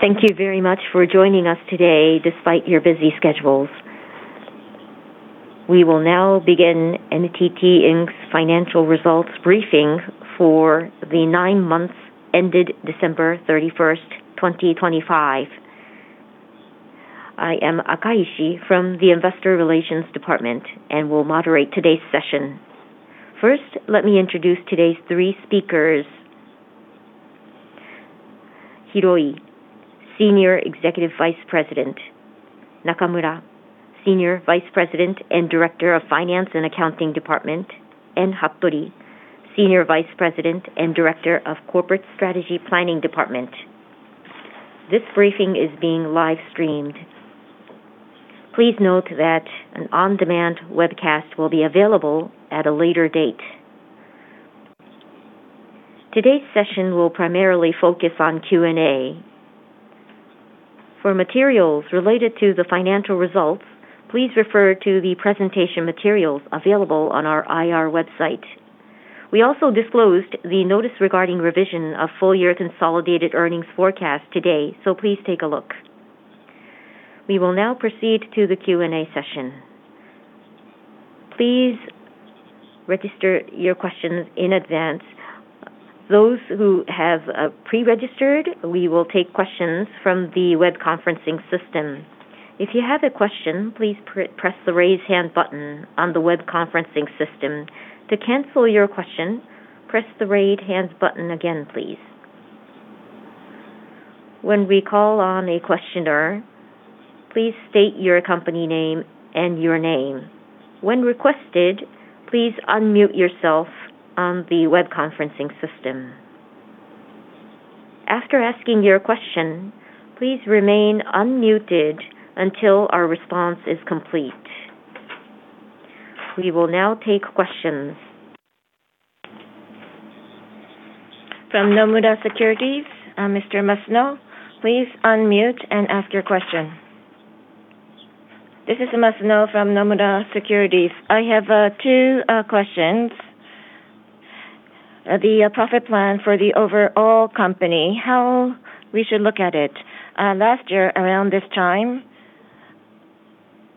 Thank you very much for joining us today despite your busy schedules. We will now begin NTT financial results briefing for the nine months ended December 31, 2025. I am Akaishi from the Investor Relations Department and will moderate today's session. First, let me introduce today's three speakers: Hiroi, Senior Executive Vice President; Nakamura, Senior Vice President and Director of Finance and Accounting Department; and Hattori, Senior Vice President and Director of Corporate Strategy Planning Department. This briefing is being live-streamed. Please note that an on-demand webcast will be available at a later date. Today's session will primarily focus on Q&A. For materials related to the financial results, please refer to the presentation materials available on our IR website. We also disclosed the notice regarding revision of full-year consolidated earnings forecast today, so please take a look. We will now proceed to the Q&A session. Please register your questions in advance. Those who have pre-registered, we will take questions from the web conferencing system. If you have a question, please press the raise hand button on the web conferencing system. To cancel your question, press the raise hand button again, please. When we call on a questioner, please state your company name and your name. When requested, please unmute yourself on the web conferencing system. After asking your question, please remain unmuted until our response is complete. We will now take questions. From Nomura Securities, Mr. Masuno, please unmute and ask your question. This is Masuno from Nomura Securities. I have two questions. The profit plan for the overall company, how we should look at it. Last year around this time,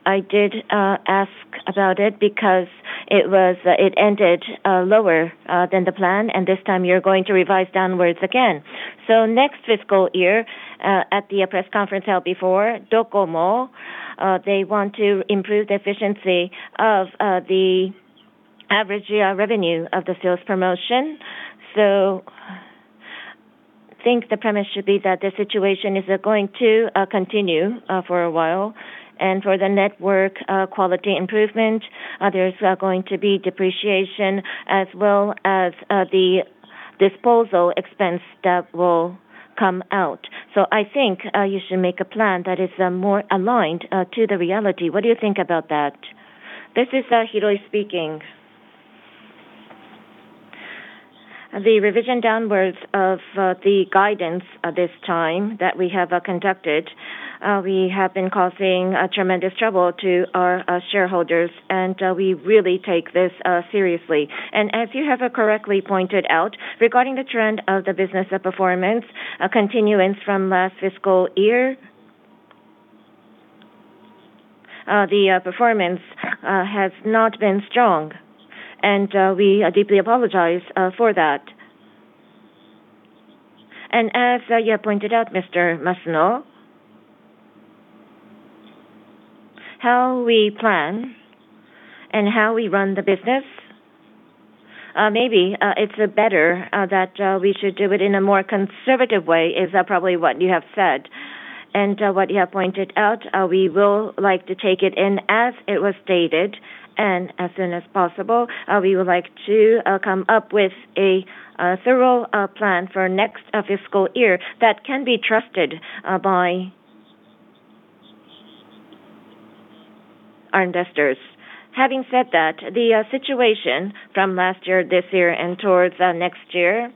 I did ask about it because it ended lower than the plan, and this time you're going to revise downwards again. So next fiscal year, at the press conference held before, DOCOMO, they want to improve the efficiency of the average revenue of the sales promotion. So I think the premise should be that the situation is going to continue for a while. And for the network quality improvement, there's going to be depreciation as well as the disposal expense that will come out. So I think you should make a plan that is more aligned to the reality. What do you think about that? This is Hiroi speaking. The revision downwards of the guidance this time that we have conducted, we have been causing tremendous trouble to our shareholders, and we really take this seriously. And as you have correctly pointed out, regarding the trend of the business performance, continuance from last fiscal year, the performance has not been strong. And we deeply apologize for that. As you pointed out, Mr. Masuno, how we plan and how we run the business, maybe it's better that we should do it in a more conservative way is probably what you have said. And what you have pointed out, we will like to take it in as it was stated and as soon as possible. We would like to come up with a thorough plan for next fiscal year that can be trusted by our investors. Having said that, the situation from last year this year and towards next year,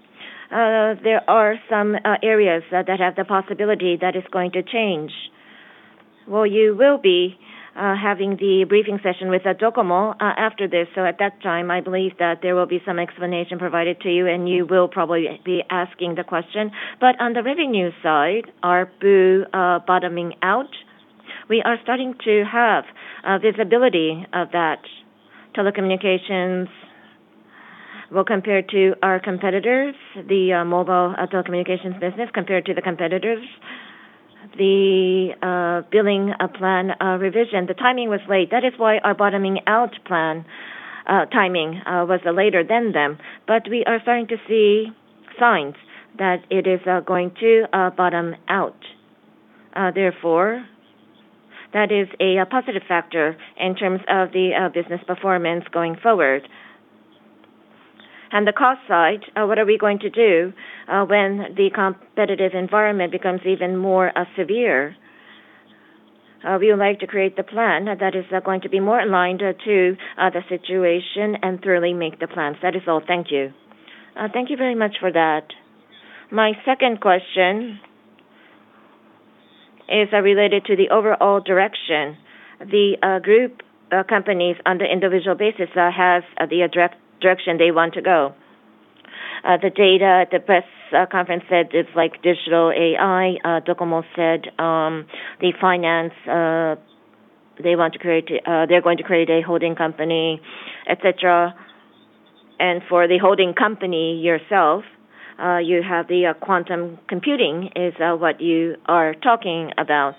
there are some areas that have the possibility that it's going to change. Well, you will be having the briefing session with DOCOMO after this, so at that time, I believe that there will be some explanation provided to you and you will probably be asking the question. But on the revenue side, is ARPU bottoming out? We are starting to have visibility of that. Telecommunications, well, compared to our competitors, the mobile telecommunications business, compared to the competitors, the billing plan revision, the timing was late. That is why our bottoming out plan timing was later than them. But we are starting to see signs that it is going to bottom out. Therefore, that is a positive factor in terms of the business performance going forward. And the cost side, what are we going to do when the competitive environment becomes even more severe? We would like to create the plan that is going to be more aligned to the situation and thoroughly make the plans. That is all. Thank you. Thank you very much for that. My second question is related to the overall direction. The group companies on the individual basis have the direction they want to go. The data, the press conference said it's like digital AI. Doko Mo said the finance, they want to create a they're going to create a holding company, etc. And for the holding company yourself, you have the quantum computing is what you are talking about.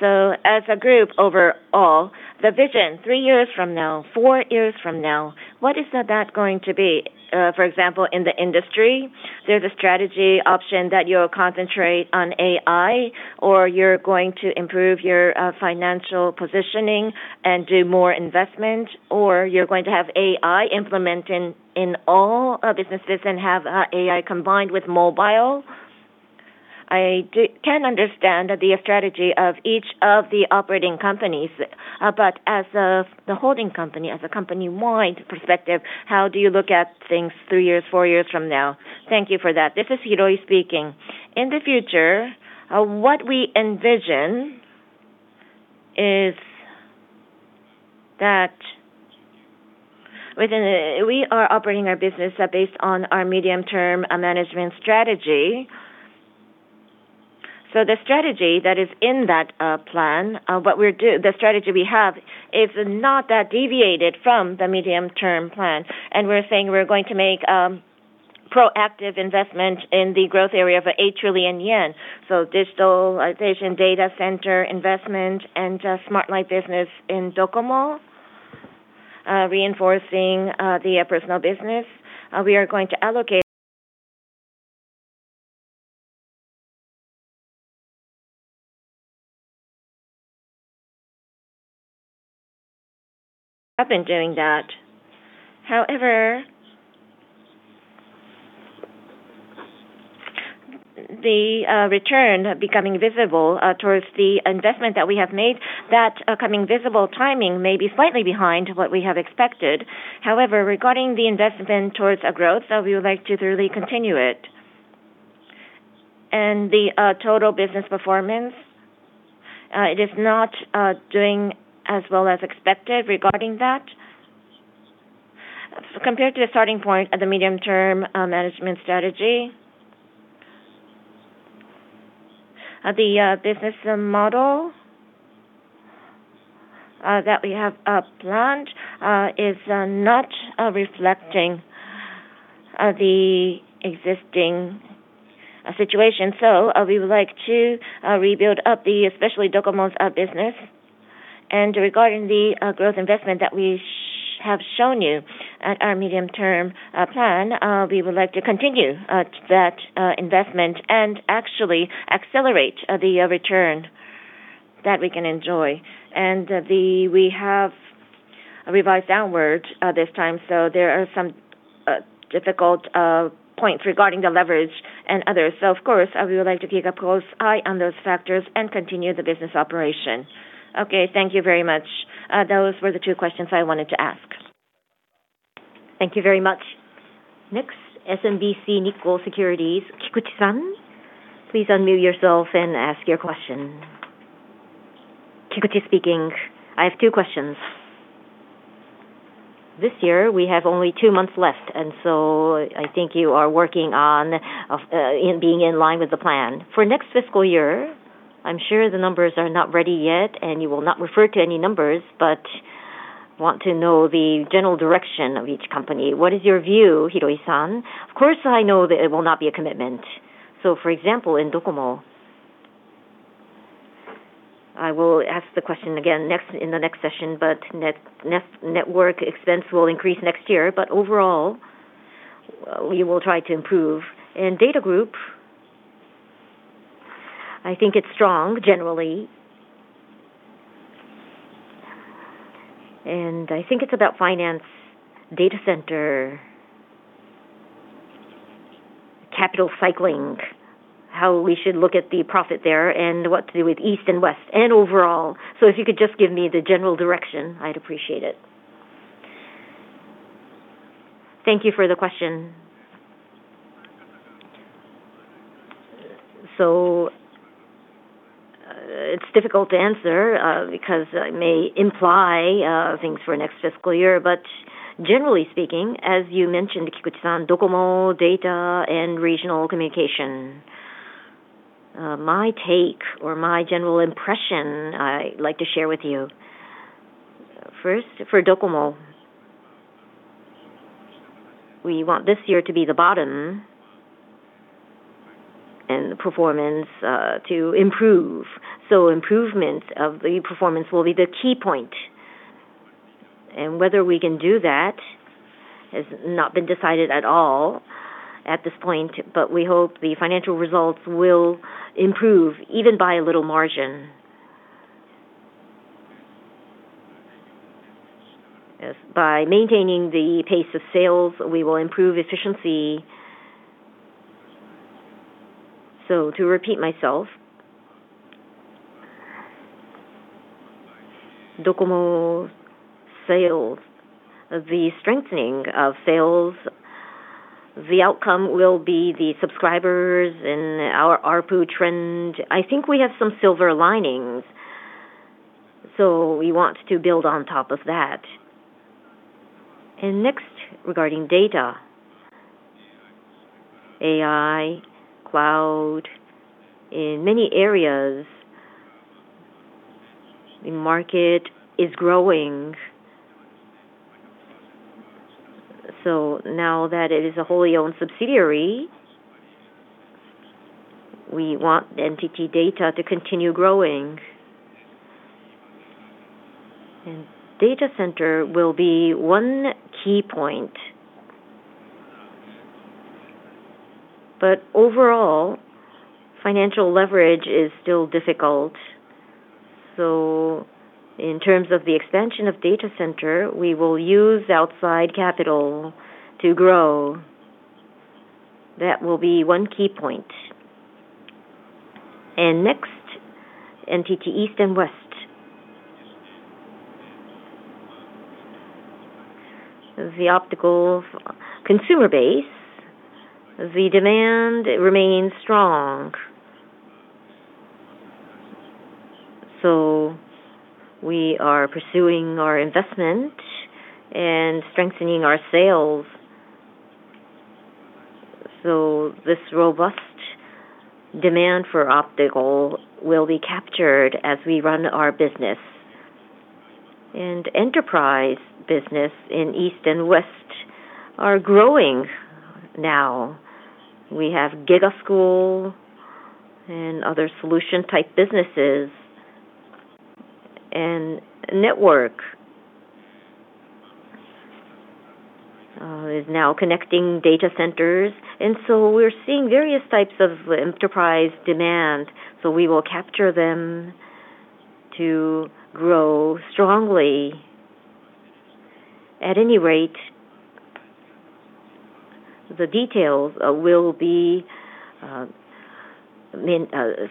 So as a group overall, the vision three years from now, four years from now, what is that going to be? For example, in the industry, there's a strategy option that you'll concentrate on AI or you're going to improve your financial positioning and do more investment or you're going to have AI implemented in all businesses and have AI combined with mobile? I can understand the strategy of each of the operating companies, but as the holding company, as a company-wide perspective, how do you look at things three years, four years from now? Thank you for that. This is Hiroi speaking. In the future, what we envision is that within we are operating our business based on our medium-term management strategy. The strategy that is in that plan, what we're doing the strategy we have is not that deviated from the medium-term plan. We're saying we're going to make proactive investment in the growth area of 8 trillion yen. Digitalization, data center investment, and Smart Life business in DOCOMO, reinforcing the personal business. We are going to allocate up and doing that. However, the return becoming visible towards the investment that we have made, that coming visible timing may be slightly behind what we have expected. However, regarding the investment towards growth, we would like to thoroughly continue it. The total business performance, it is not doing as well as expected regarding that. Compared to the starting point of the medium-term management strategy, the business model that we have planned is not reflecting the existing situation. We would like to rebuild up the especially Doko Mo's business. Regarding the growth investment that we have shown you at our medium-term plan, we would like to continue that investment and actually accelerate the return that we can enjoy. We have revised downwards this time, so there are some difficult points regarding the leverage and others. Of course, we would like to keep a close eye on those factors and continue the business operation. Okay. Thank you very much. Those were the two questions I wanted to ask. Thank you very much. Next, SMBC Nikko Securities, Kikuchi-san. Please unmute yourself and ask your question. Kikuchi speaking. I have two questions. This year, we have only two months left, and so I think you are working on being in line with the plan. For next fiscal year, I'm sure the numbers are not ready yet, and you will not refer to any numbers, but want to know the general direction of each company. What is your view, Hiroi-san? Of course, I know that it will not be a commitment. So, for example, in Doko Mo, I will ask the question again in the next session, but network expense will increase next year, but overall, we will try to improve. NTT DATA group, i think it's strong generally. And I think it's about finance, data center, capital recycling, how we should look at the profit there, and what to do with east and west, and overall. So if you could just give me the general direction, I'd appreciate it. Thank you for the question. So it's difficult to answer because it may imply things for next fiscal year, but generally speaking, as you mentioned, Kikuchi-san, Doko Mo, data, and regional communication, my take or my general impression I'd like to share with you. First, for Doko Mo, we want this year to be the bottom and the performance to improve. So improvement of the performance will be the key point. And whether we can do that has not been decided at all at this point, but we hope the financial results will improve even by a little margin. By maintaining the pace of sales, we will improve efficiency. So to repeat myself, Doko Mo sales, the strengthening of sales, the outcome will be the subscribers and our ARPU trend. I think we have some silver linings, so we want to build on top of that. Next, regarding data, AI, cloud, in many areas, the market is growing. So now that it is a wholly owned subsidiary, we want NTT DATA to continue growing. And data center will be one key point. But overall, financial leverage is still difficult. So in terms of the expansion of data center, we will use outside capital to grow. That will be one key point. And next, NTT East and West, the optical consumer base, the demand remains strong. So we are pursuing our investment and strengthening our sales. So this robust demand for optical will be captured as we run our business. And enterprise business in East and West are growing now. We have GIGA School and other solution-type businesses. And network is now connecting data centers. And so we're seeing various types of enterprise demand, so we will capture them to grow strongly at any rate. The details will be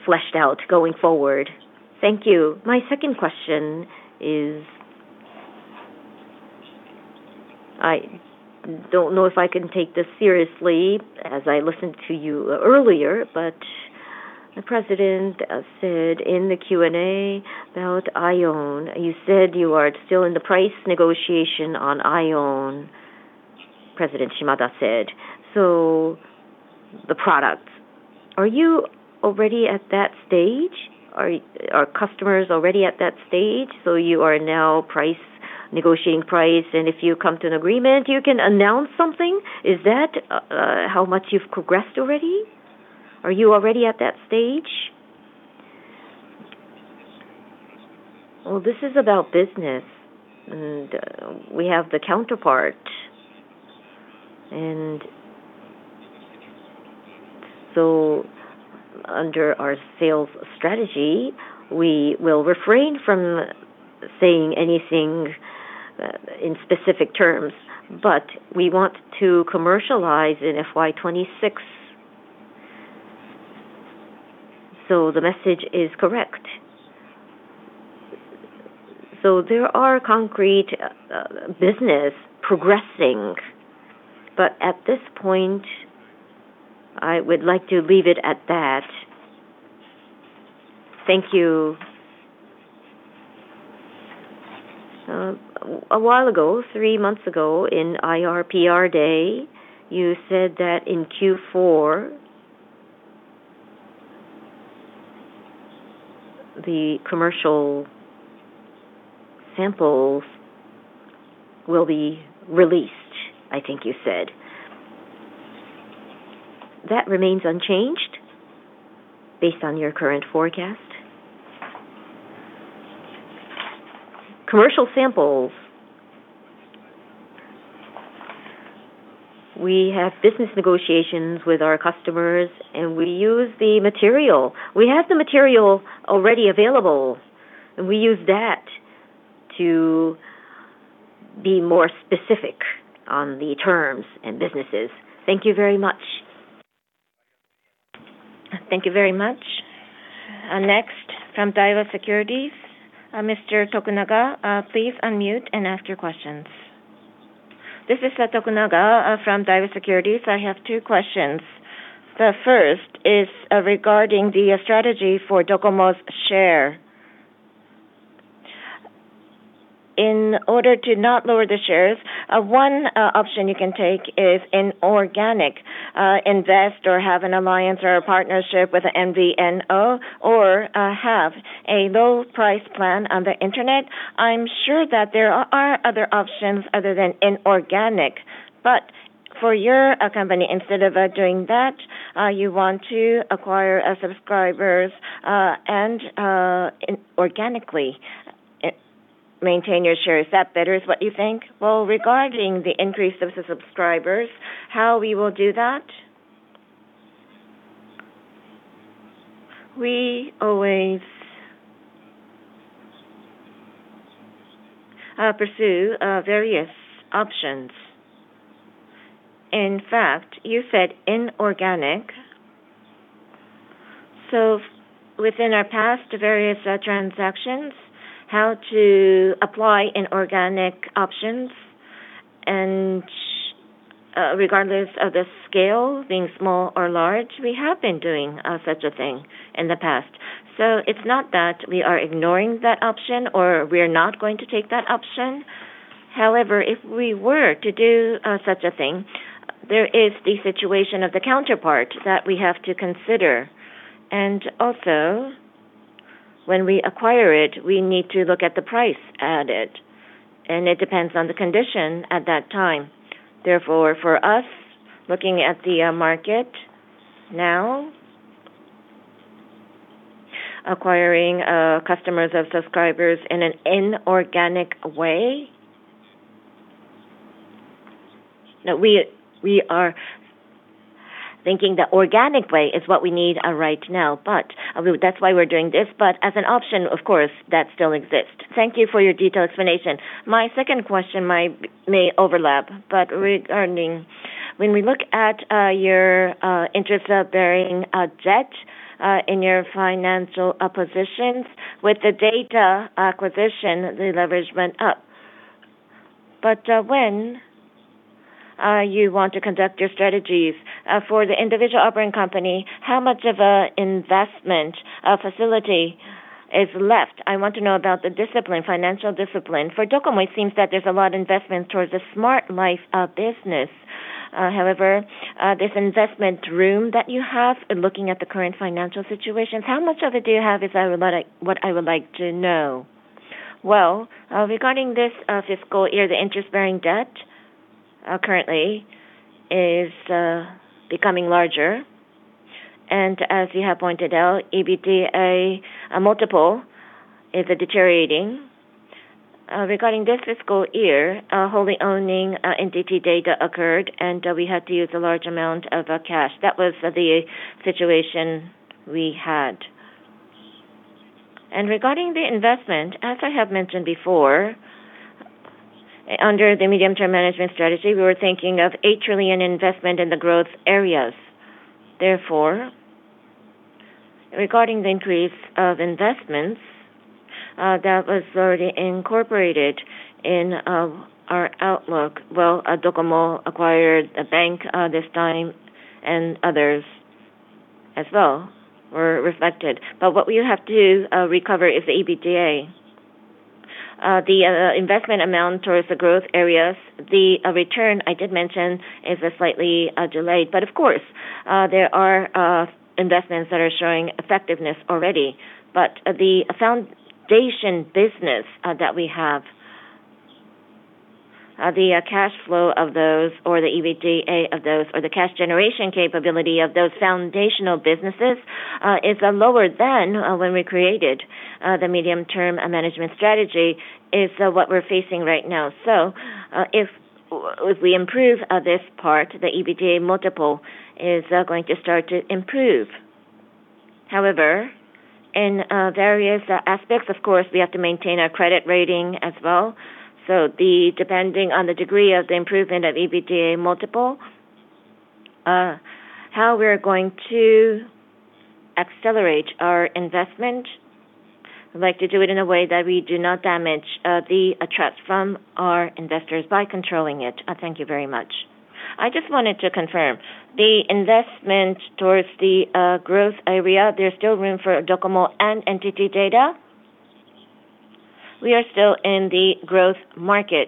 fleshed out going forward. Thank you. My second question is I don't know if I can take this seriously as I listened to you earlier, but the president said in the Q&A about IOWN, you said you are still in the price negotiation on IOWN, President Shimada said. So the product, are you already at that stage? Are customers already at that stage? So you are now negotiating price, and if you come to an agreement, you can announce something. Is that how much you've progressed already? Are you already at that stage? Well, this is about business, and we have the counterpart. So under our sales strategy, we will refrain from saying anything in specific terms, but we want to commercialize in FY26. So the message is correct. So there are concrete business progressing, but at this point, I would like to leave it at that. Thank you. A while ago, three months ago, in IRPR Day, you said that in Q4, the commercial samples will be released, I think you said. That remains unchanged based on your current forecast? Commercial samples, we have business negotiations with our customers, and we use the material. We have the material already available, and we use that to be more specific on the terms and businesses. Thank you very much. Thank you very much. Next, from Daiwa Securities, Mr. Tokunaga, please unmute and ask your questions. This is Tokunaga from Daiwa Securities. I have two questions. The first is regarding the strategy for Doko Mo's share. In order to not lower the shares, one option you can take is inorganic, invest or have an alliance or a partnership with an MVNO, or have a low-price plan on the internet. I'm sure that there are other options other than inorganic, but for your company, instead of doing that, you want to acquire subscribers and organically maintain your shares. Is that better is what you think? Well, regarding the increase of the subscribers, how we will do that? We always pursue various options. In fact, you said inorganic. So within our past various transactions, how to apply inorganic options. And regardless of the scale, being small or large, we have been doing such a thing in the past. So it's not that we are ignoring that option or we are not going to take that option. However, if we were to do such a thing, there is the situation of the counterpart that we have to consider. Also, when we acquire it, we need to look at the price added. It depends on the condition at that time. Therefore, for us, looking at the market now, acquiring customers or subscribers in an inorganic way, we are thinking the organic way is what we need right now. But that's why we're doing this. But as an option, of course, that still exists. Thank you for your detailed explanation. My second question may overlap, but regarding when we look at your interest-bearing debt in your financial positions, with the data acquisition, the leverage went up. But when you want to conduct your strategies, for the individual operating company, how much of an investment facility is left? I want to know about the discipline, financial discipline. For DOCOMO, it seems that there's a lot of investment towards a Smart Life business. However, this investment room that you have, looking at the current financial situations, how much of it do you have is what I would like to know? Well, regarding this fiscal year, the interest-bearing debt currently is becoming larger. And as you have pointed out, EBITDA multiple is deteriorating. Regarding this fiscal year, wholly owning NTT DATA occurred, and we had to use a large amount of cash. That was the situation we had. And regarding the investment, as I have mentioned before, under the medium-term management strategy, we were thinking of 8 trillion investment in the growth areas. Therefore, regarding the increase of investments, that was already incorporated in our outlook. Well, DOCOMO acquired the bank this time, and others as well were reflected. But what we have to recover is the EBITDA. The investment amount towards the growth areas, the return, I did mention, is slightly delayed. But of course, there are investments that are showing effectiveness already. But the foundation business that we have, the cash flow of those or the EBITDA of those or the cash generation capability of those foundational businesses is lower than when we created the medium-term management strategy is what we're facing right now. So if we improve this part, the EBITDA multiple is going to start to improve. However, in various aspects, of course, we have to maintain our credit rating as well. So depending on the degree of the improvement of EBITDA multiple, how we're going to accelerate our investment, I'd like to do it in a way that we do not damage the attractiveness from our investors by controlling it. Thank you very much. I just wanted to confirm, the investment towards the growth area, there's still room for Doko Mo and NTT DATA. We are still in the growth market.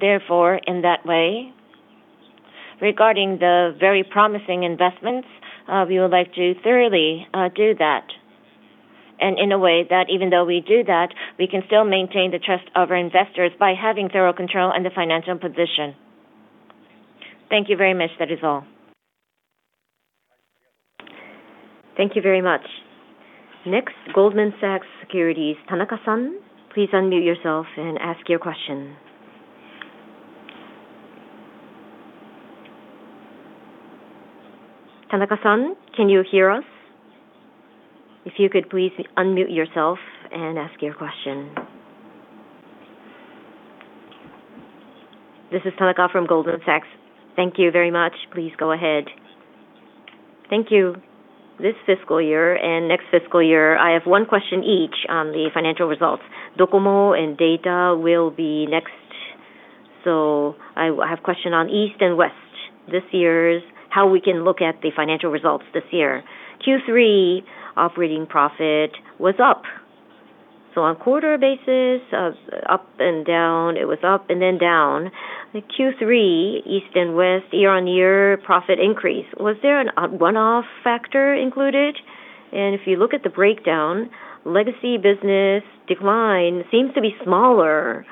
Therefore, in that way, regarding the very promising investments, we would like to thoroughly do that. And in a way that even though we do that, we can still maintain the trust of our investors by having thorough control and the financial position. Thank you very much. That is all. Thank you very much. Next, Goldman Sachs Securities, Tanaka-san, please unmute yourself and ask your question. Tanaka-san, can you hear us? If you could please unmute yourself and ask your question. This is Tanaka from Goldman Sachs. Thank you very much. Please go ahead. Thank you. This fiscal year and next fiscal year, I have one question each on the financial results. Doko Mo and Data will be next. So I have a question on NTT East and NTT West, how we can look at the financial results this year. Q3 operating profit was up. So on quarter basis, up and down, it was up and then down. Q3 NTT East and NTT West, year-on-year profit increase, was there a one-off factor included? And if you look at the breakdown, legacy business decline seems to be smaller.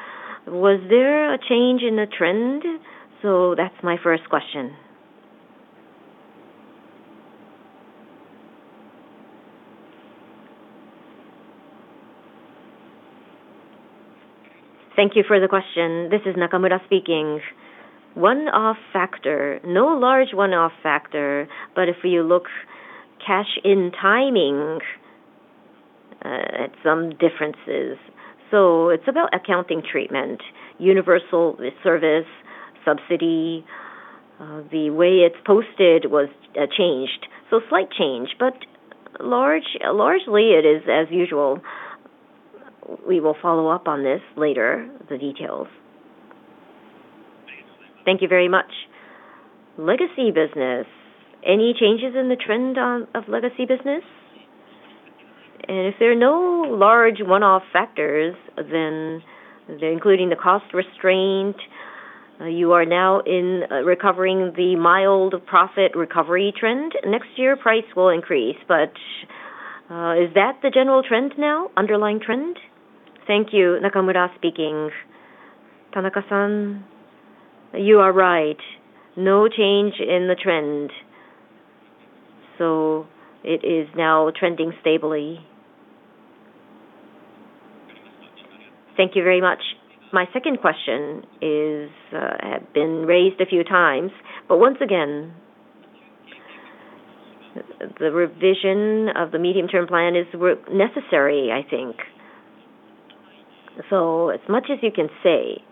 Was there a change in the trend? So that's my first question. Thank you for the question. This is Nakamura speaking. One-off factor, no large one-off factor, but if you look cash-in timing, some differences. So it's about accounting treatment, universal service, subsidy, the way it's posted was changed. So slight change, but largely it is as usual. We will follow up on this later, the details. Thank you very much. Legacy business, any changes in the trend of legacy business? If there are no large one-off factors, then including the cost restraint, you are now recovering the mild profit recovery trend. Next year, price will increase. But is that the general trend now, underlying trend? Thank you, Nakamura speaking. Tanaka-san, you are right. No change in the trend. So it is now trending stably. Thank you very much. My second question has been raised a few times, but once again, the revision of the medium-term plan is necessary, I think. So as much as you can say,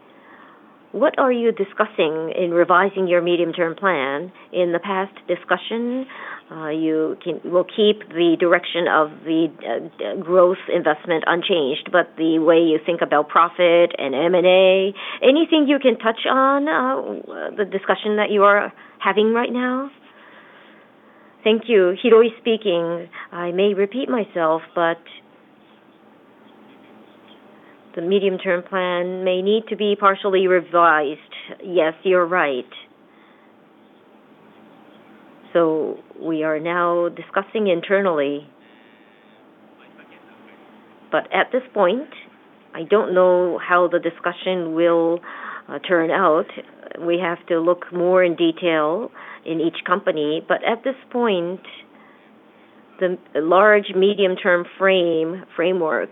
what are you discussing in revising your medium-term plan? In the past discussion, you will keep the direction of the growth investment unchanged, but the way you think about profit and M&A, anything you can touch on the discussion that you are having right now? Thank you, Hiroi speaking. I may repeat myself, but the medium-term plan may need to be partially revised. Yes, you're right. So we are now discussing internally. But at this point, I don't know how the discussion will turn out. We have to look more in detail in each company. But at this point, the large medium-term framework,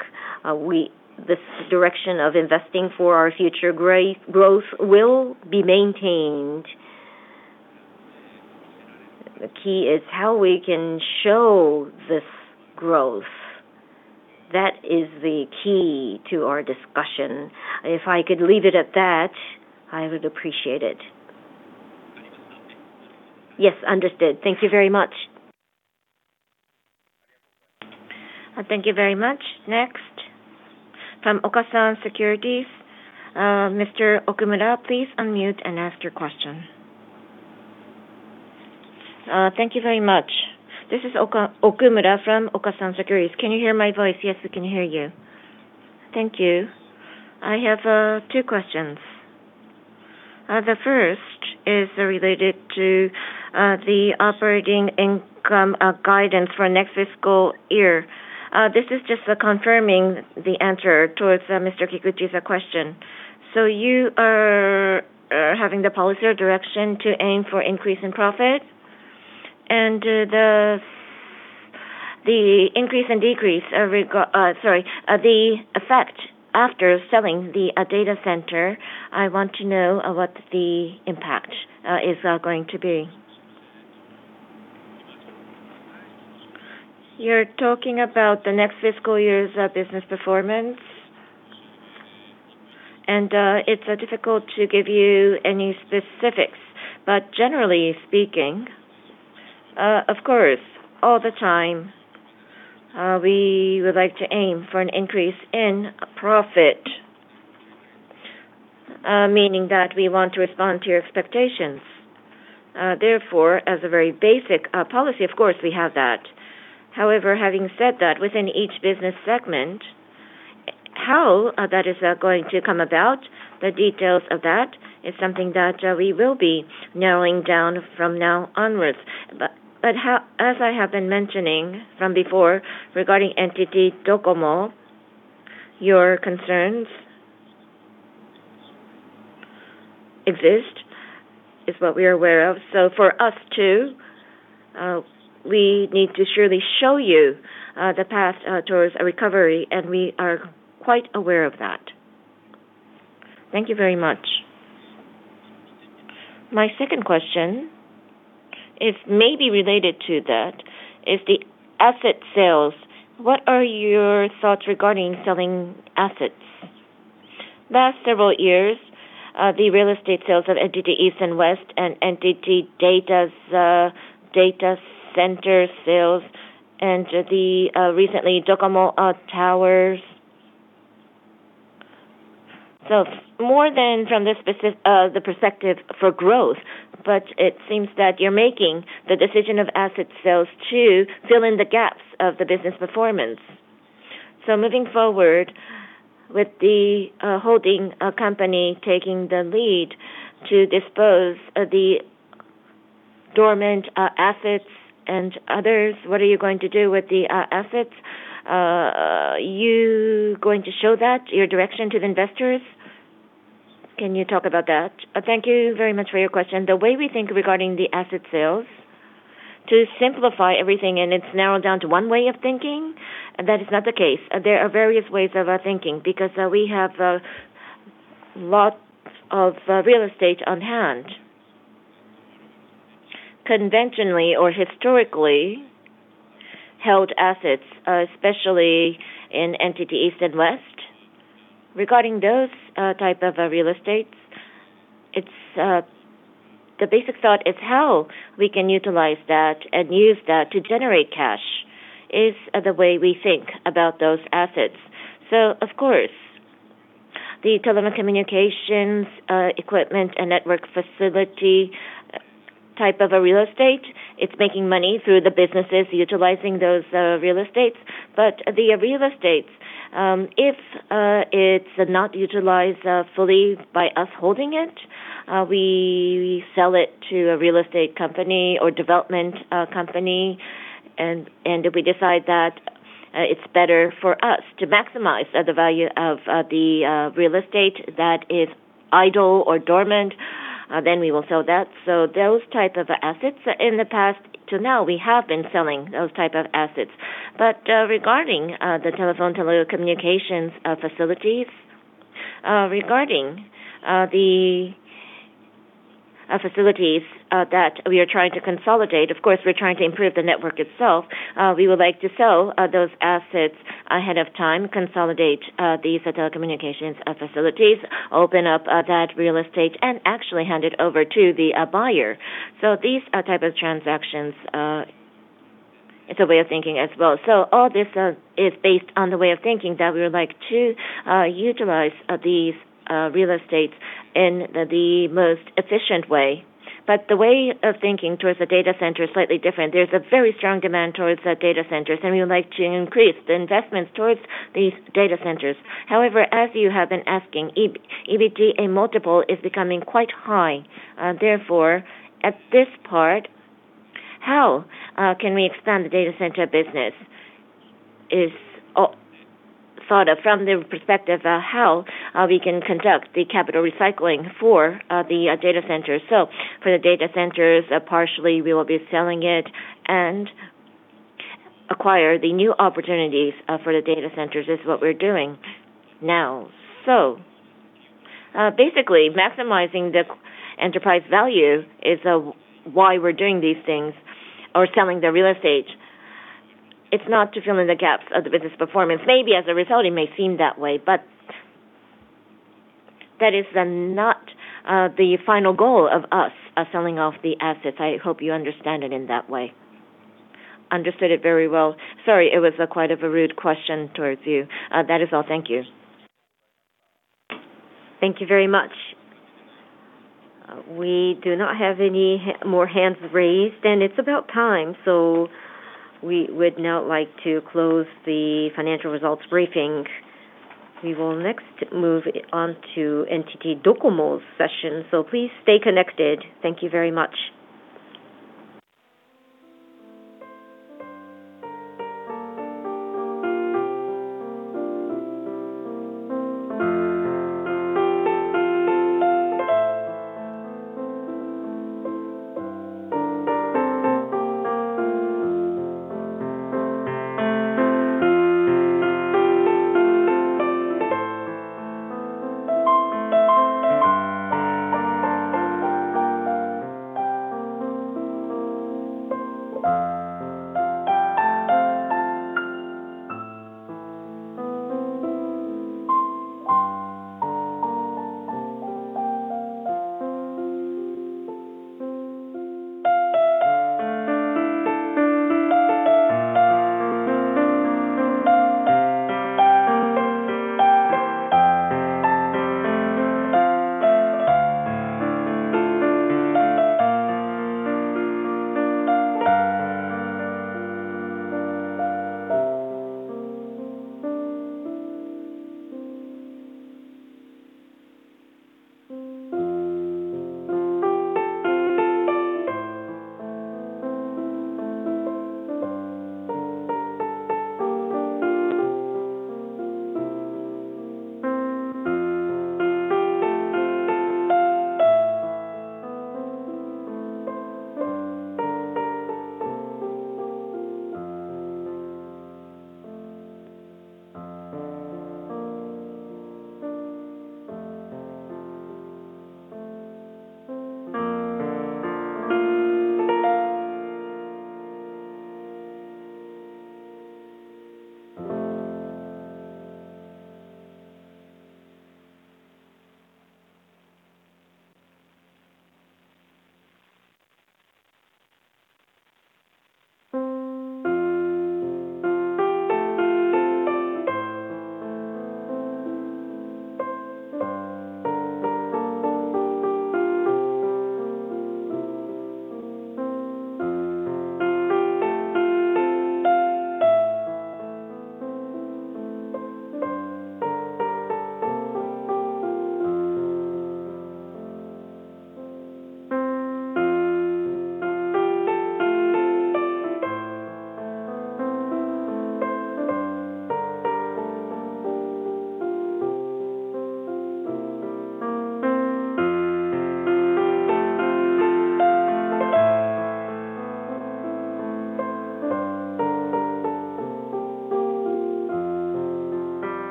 this direction of investing for our future growth will be maintained. The key is how we can show this growth. That is the key to our discussion. If I could leave it at that, I would appreciate it. Yes, understood. Thank you very much. Thank you very much. Next, from Okasan Securities, Mr. Okumura, please unmute and ask your question. Thank you very much. This is Okumura from Okasan Securities. Can you hear my voice? Yes, we can hear you. Thank you. I have two questions. The first is related to the operating income guidance for next fiscal year. This is just confirming the answer towards Mr. Kikuchi's question. So you are having the policy or direction to aim for increase in profit? And the increase and decrease sorry, the effect after selling the data center, I want to know what the impact is going to be. You're talking about the next fiscal year's business performance. It's difficult to give you any specifics. Generally speaking, of course, all the time, we would like to aim for an increase in profit, meaning that we want to respond to your expectations. Therefore, as a very basic policy, of course, we have that. However, having said that, within each business segment, how that is going to come about, the details of that is something that we will be narrowing down from now onwards. But as I have been mentioning from before regarding NTT DOCOMO, your concerns exist is what we are aware of. So for us too, we need to surely show you the path towards a recovery. And we are quite aware of that. Thank you very much. My second question may be related to that. Regarding the asset sales, what are your thoughts regarding selling assets? Last several years, the real estate sales of NTT East and NTT West and NTT DATA center sales and recently Doko Mo towers. So more than from the perspective for growth, but it seems that you're making the decision of asset sales to fill in the gaps of the business performance. So moving forward with the holding company taking the lead to dispose of the dormant assets and others, what are you going to do with the assets? Are you going to show that, your direction to the investors? Can you talk about that? Thank you very much for your question. The way we think regarding the asset sales, to simplify everything and it's narrowed down to one way of thinking, that is not the case. There are various ways of thinking because we have a lot of real estate on hand. Conventionally or historically, held assets, especially in NTT East and West, regarding those types of real estate, the basic thought is how we can utilize that and use that to generate cash is the way we think about those assets. So of course, the telecommunications equipment and network facility type of real estate, it's making money through the businesses utilizing those real estates. But the real estate, if it's not utilized fully by us holding it, we sell it to a real estate company or development company. And if we decide that it's better for us to maximize the value of the real estate that is idle or dormant, then we will sell that. So those types of assets in the past to now, we have been selling those types of assets. But regarding the telephone telecommunications facilities, regarding the facilities that we are trying to consolidate, of course, we're trying to improve the network itself. We would like to sell those assets ahead of time, consolidate these telecommunications facilities, open up that real estate, and actually hand it over to the buyer. So these types of transactions, it's a way of thinking as well. So all this is based on the way of thinking that we would like to utilize these real estates in the most efficient way. But the way of thinking towards the data center is slightly different. There's a very strong demand towards data centers. And we would like to increase the investments towards these data centers. However, as you have been asking, EBITDA multiple is becoming quite high. Therefore, at this part, how can we expand the data center business is thought of from the perspective of how we can conduct the capital recycling for the data centers. So for the data centers, partially, we will be selling it and acquire the new opportunities for the data centers is what we're doing now. So basically, maximizing the enterprise value is why we're doing these things or selling the real estate. It's not to fill in the gaps of the business performance. Maybe as a result, it may seem that way. But that is not the final goal of us selling off the assets. I hope you understand it in that way. Understood it very well. Sorry, it was quite a rude question towards you. That is all. Thank you. Thank you very much. We do not have any more hands raised. It's about time. We would now like to close the financial results briefing. We will next move on to NTT DOCOMO's session. Please stay connected. Thank you very much.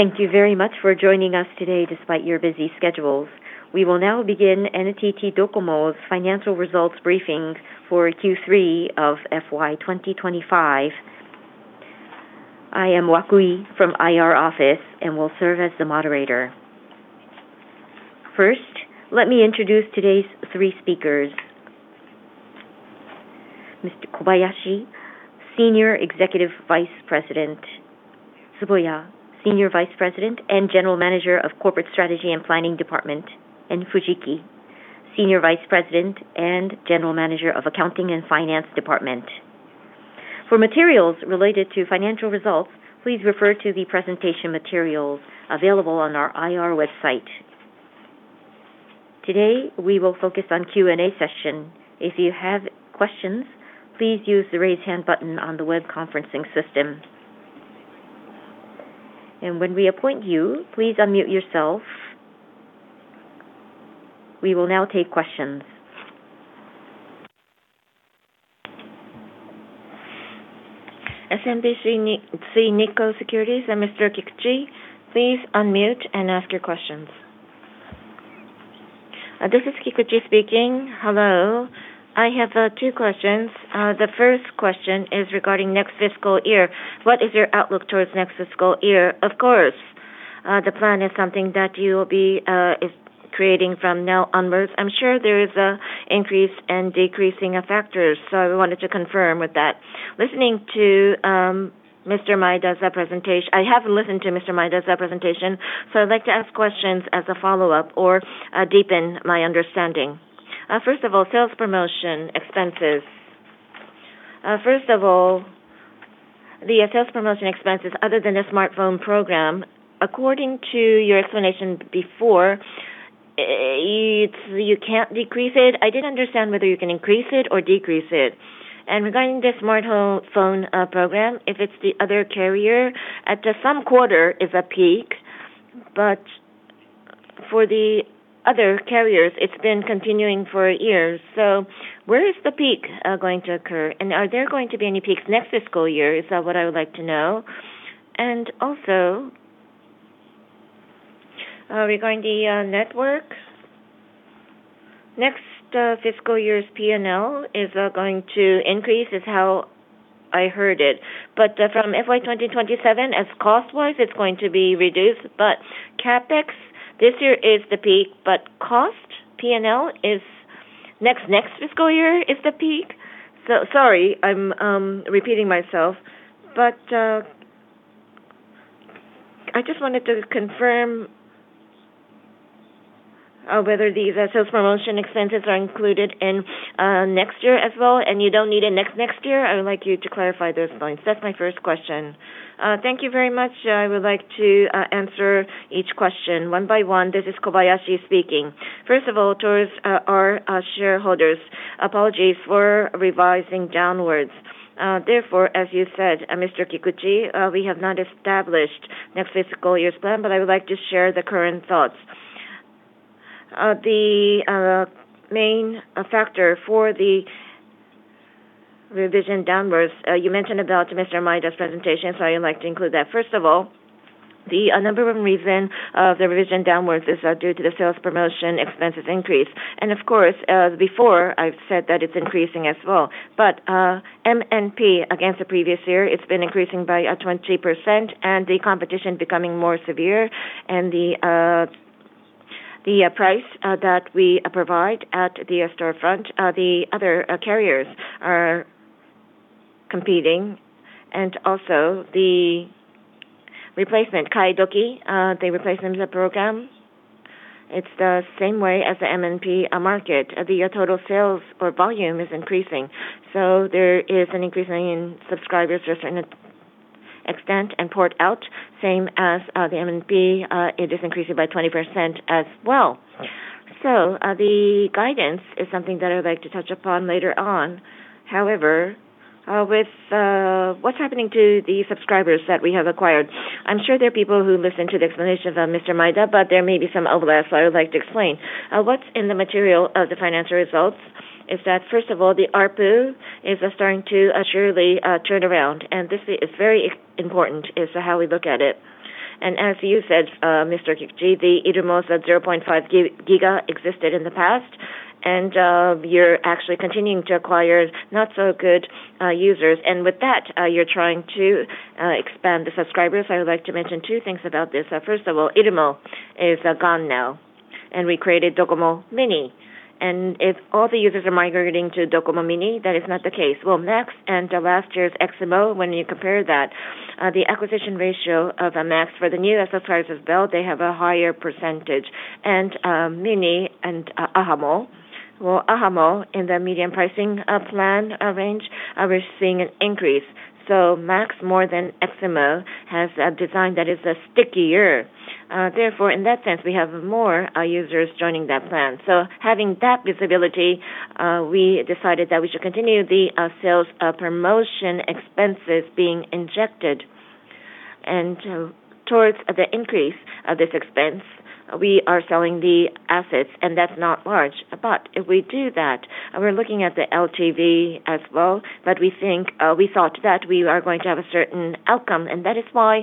Thank you very much for joining us today despite your busy schedules. We will now begin NTT DOCOMO financial results briefing for Q3 of FY 2025. I am Wakuie from IR office and will serve as the moderator. First, let me introduce today's three speakers. Mr. Kobayashi, Senior Executive Vice President; Tsuboya, Senior Vice President and General Manager of Corporate Strategy and Planning Department; and Fujiki, Senior Vice President and General Manager of Accounting and Finance Department. For materials related to financial results, please refer to the presentation materials available on our IR website. Today, we will focus on Q&A session. If you have questions, please use the raise hand button on the web conferencing system. When we appoint you, please unmute yourself. We will now take questions. SMBC Nikko Securities and Mr. Kikuchi, please unmute and ask your questions. This is Kikuchi speaking. Hello. I have two questions. The first question is regarding next fiscal year. What is your outlook towards next fiscal year? Of course. The plan is something that you will be creating from now onwards. I'm sure there is an increase and decreasing factor. So I wanted to confirm with that. Listening to Mr. Maeda's presentation, I have listened to Mr. Maeda's presentation. So I'd like to ask questions as a follow-up or deepen my understanding. First of all, sales promotion expenses. First of all, the sales promotion expenses other than the smartphone program, according to your explanation before, you can't decrease it. I didn't understand whether you can increase it or decrease it. And regarding the smartphone program, if it's the other carrier, at some quarter is a peak. But for the other carriers, it's been continuing for years. So where is the peak going to occur? And are there going to be any peaks next fiscal year? Is that what I would like to know. And also, regarding the network, next fiscal year's P&L is going to increase is how I heard it. But from FY 2027, as cost-wise, it's going to be reduced. But CapEx, this year is the peak. But cost, P&L is next fiscal year is the peak. So sorry, I'm repeating myself. But I just wanted to confirm whether these sales promotion expenses are included in next year as well. And you don't need it next next year? I would like you to clarify those points. That's my first question. Thank you very much. I would like to answer each question one by one. This is Kobayashi speaking. First of all, towards our shareholders, apologies for revising downwards. Therefore, as you said, Mr. Kikuchi, we have not established next fiscal year's plan. But I would like to share the current thoughts. The main factor for the revision downwards, you mentioned about Mr. Maeda's presentation. So I would like to include that. First of all, the number one reason of the revision downwards is due to the sales promotion expenses increase. Of course, before, I've said that it's increasing as well. But MNP, against the previous year, it's been increasing by 20% and the competition becoming more severe. And the price that we provide at the storefront, the other carriers are competing. And also, the replacement, Kaedoki, the replacement program, it's the same way as the MNP market. The total sales or volume is increasing. So there is an increase in subscribers to a certain extent and port out, same as the MNP, it is increasing by 20% as well. So the guidance is something that I would like to touch upon later on. However, with what's happening to the subscribers that we have acquired, I'm sure there are people who listen to the explanation of Mr. Maeda. But there may be some overlap. So I would like to explain. What's in the material of the financial results is that, first of all, the ARPU is starting to surely turn around. And this is very important is how we look at it. And as you said, Mr. Kikuchi, the irumo's 0.5 GB existed in the past. And you're actually continuing to acquire not-so-good users. And with that, you're trying to expand the subscribers. I would like to mention two things about this. First of all, irumo is gone now. And we created DOCOMO Mini. And if all the users are migrating to DOCOMO Mini, that is not the case. Well, eximo and last year's eximo, when you compare that, the acquisition ratio of eximo for the new SS cards as well, they have a higher percentage. Mini and ahamo, well, ahamo in the medium pricing plan range, we're seeing an increase. So eximo more than eximo has a design that is stickier. Therefore, in that sense, we have more users joining that plan. So having that visibility, we decided that we should continue the sales promotion expenses being injected. And towards the increase of this expense, we are selling the assets. And that's not large. But if we do that, we're looking at the LTV as well. But we think we thought that we are going to have a certain outcome. And that is why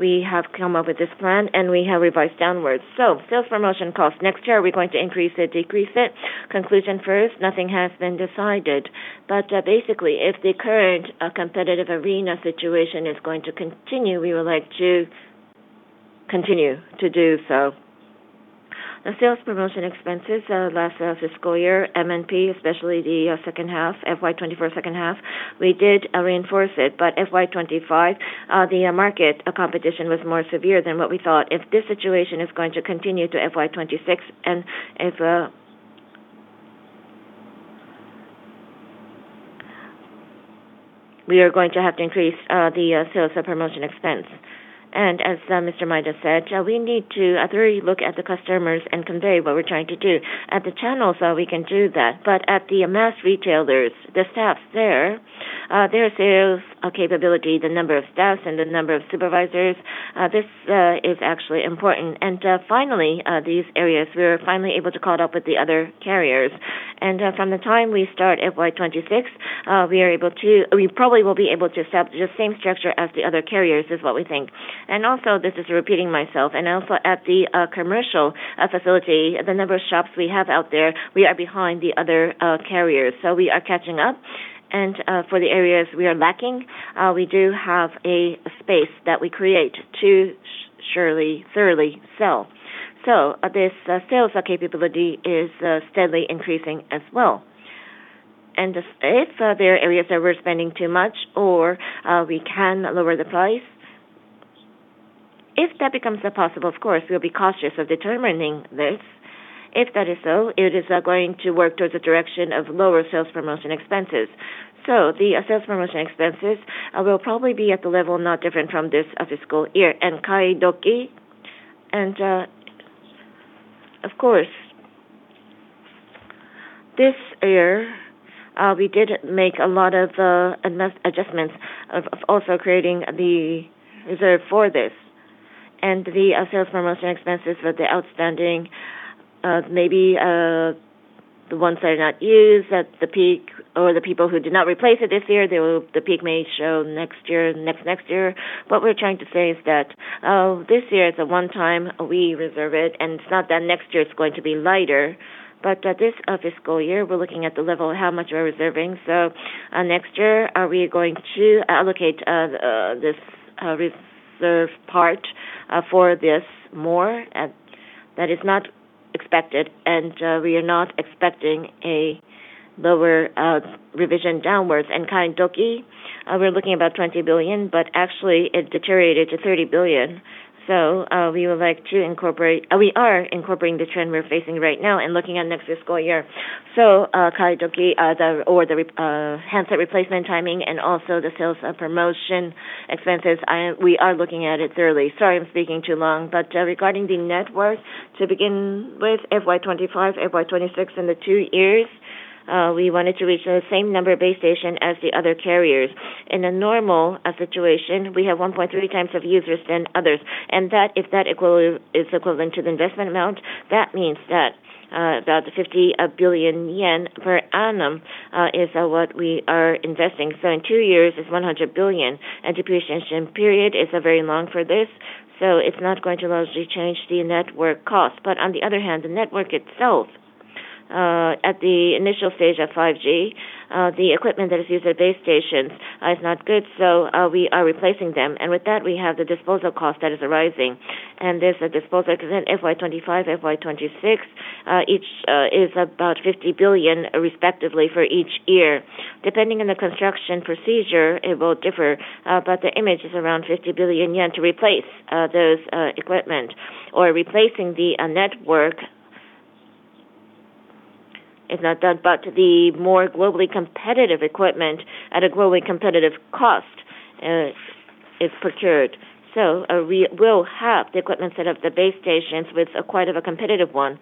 we have come up with this plan. And we have revised downwards. So sales promotion cost next year, are we going to increase it, decrease it? Conclusion first, nothing has been decided. But basically, if the current competitive arena situation is going to continue, we would like to continue to do so. The sales promotion expenses last fiscal year, MNP, especially the second half, FY 2024 second half, we did reinforce it. But FY 2025, the market competition was more severe than what we thought. If this situation is going to continue to FY 2026 and if we are going to have to increase the sales promotion expense. And as Mr. Maeda said, we need to thoroughly look at the customers and convey what we're trying to do. At the channels, we can do that. But at the mass retailers, the staffs there, their sales capability, the number of staffs and the number of supervisors, this is actually important. And finally, these areas, we were finally able to caught up with the other carriers. From the time we start FY 2026, we probably will be able to establish the same structure as the other carriers, is what we think. And also, this is repeating myself. And also, at the commercial facility, the number of shops we have out there, we are behind the other carriers. So we are catching up. And for the areas we are lacking, we do have a space that we create to surely thoroughly sell. So this sales capability is steadily increasing as well. And if there are areas that we're spending too much or we can lower the price, if that becomes possible, of course, we'll be cautious of determining this. If that is so, it is going to work towards the direction of lower sales promotion expenses. So the sales promotion expenses will probably be at the level not different from this fiscal year. And Kaedoki, and of course, this year, we did make a lot of adjustments of also creating the reserve for this. And the sales promotion expenses were the outstanding. Maybe the ones that are not used at the peak or the people who did not replace it this year, the peak may show next year, next next year. What we're trying to say is that this year is a one-time, we reserve it. And it's not that next year it's going to be lighter. But this fiscal year, we're looking at the level of how much we're reserving. So next year, we are going to allocate this reserve part for this more that is not expected. And we are not expecting a lower revision downwards. And Kaedoki, we're looking at about 20 billion. But actually, it deteriorated to 30 billion. So we would like to incorporate we are incorporating the trend we're facing right now and looking at next fiscal year. So Kaedoki or the handset replacement timing and also the sales promotion expenses, we are looking at it thoroughly. Sorry, I'm speaking too long. But regarding the network, to begin with, FY 2025, FY 2026, and the two years, we wanted to reach the same number base station as the other carriers. In a normal situation, we have 1.3x of users than others. And that if that is equivalent to the investment amount, that means that about 50 billion yen per annum is what we are investing. So in two years, it's 100 billion. And depreciation period is very long for this. So it's not going to largely change the network cost. But on the other hand, the network itself, at the initial stage of 5G, the equipment that is used at base stations is not good. So we are replacing them. And with that, we have the disposal cost that is arising. And there's a disposal expense in FY 2025, FY 2026. Each is about 50 billion respectively for each year. Depending on the construction procedure, it will differ. But the image is around 50 billion yen to replace those equipment or replacing the network is not done. But the more globally competitive equipment at a globally competitive cost is procured. So we'll have the equipment set up at the base stations with quite a competitive one.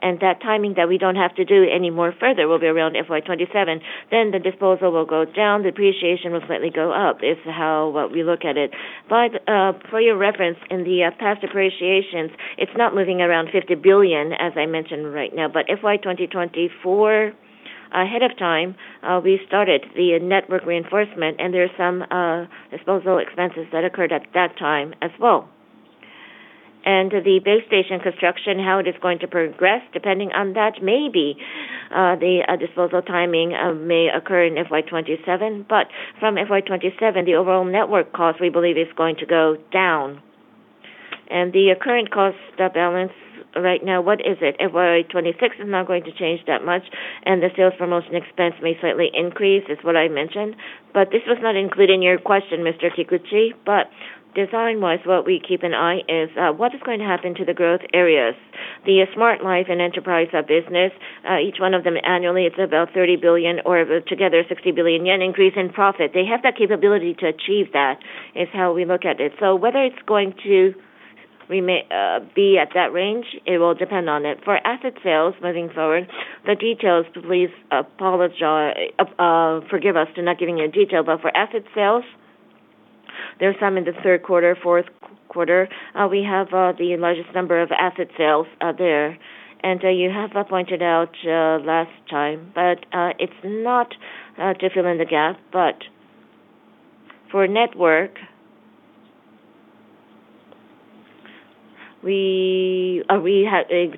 And that timing that we don't have to do any more further will be around FY 2027. Then the disposal will go down. Depreciation will slightly go up is how we look at it. But for your reference, in the past appreciations, it's not moving around $50 billion as I mentioned right now. But in FY 2024 ahead of time, we started the network reinforcement. And there are some disposal expenses that occurred at that time as well. And the base station construction, how it is going to progress, depending on that, maybe the disposal timing may occur in FY 2027. But from FY 2027, the overall network cost, we believe, is going to go down. And the current cost balance right now, what is it? FY 2026 is not going to change that much. And the sales promotion expense may slightly increase is what I mentioned. But this was not included in your question, Mr. Kikuchi. But design-wise, what we keep an eye is what is going to happen to the growth areas. The Smart Life and Enterprise Business, each one of them annually, it's about 30 billion or together 60 billion yen increase in profit. They have that capability to achieve that is how we look at it. So whether it's going to be at that range, it will depend on it. For asset sales moving forward, the details, please apologize, forgive us for not giving you a detail. But for asset sales, there are some in the third quarter, fourth quarter, we have the largest number of asset sales there. And you have pointed out last time. But it's not to fill in the gap. But for network, we have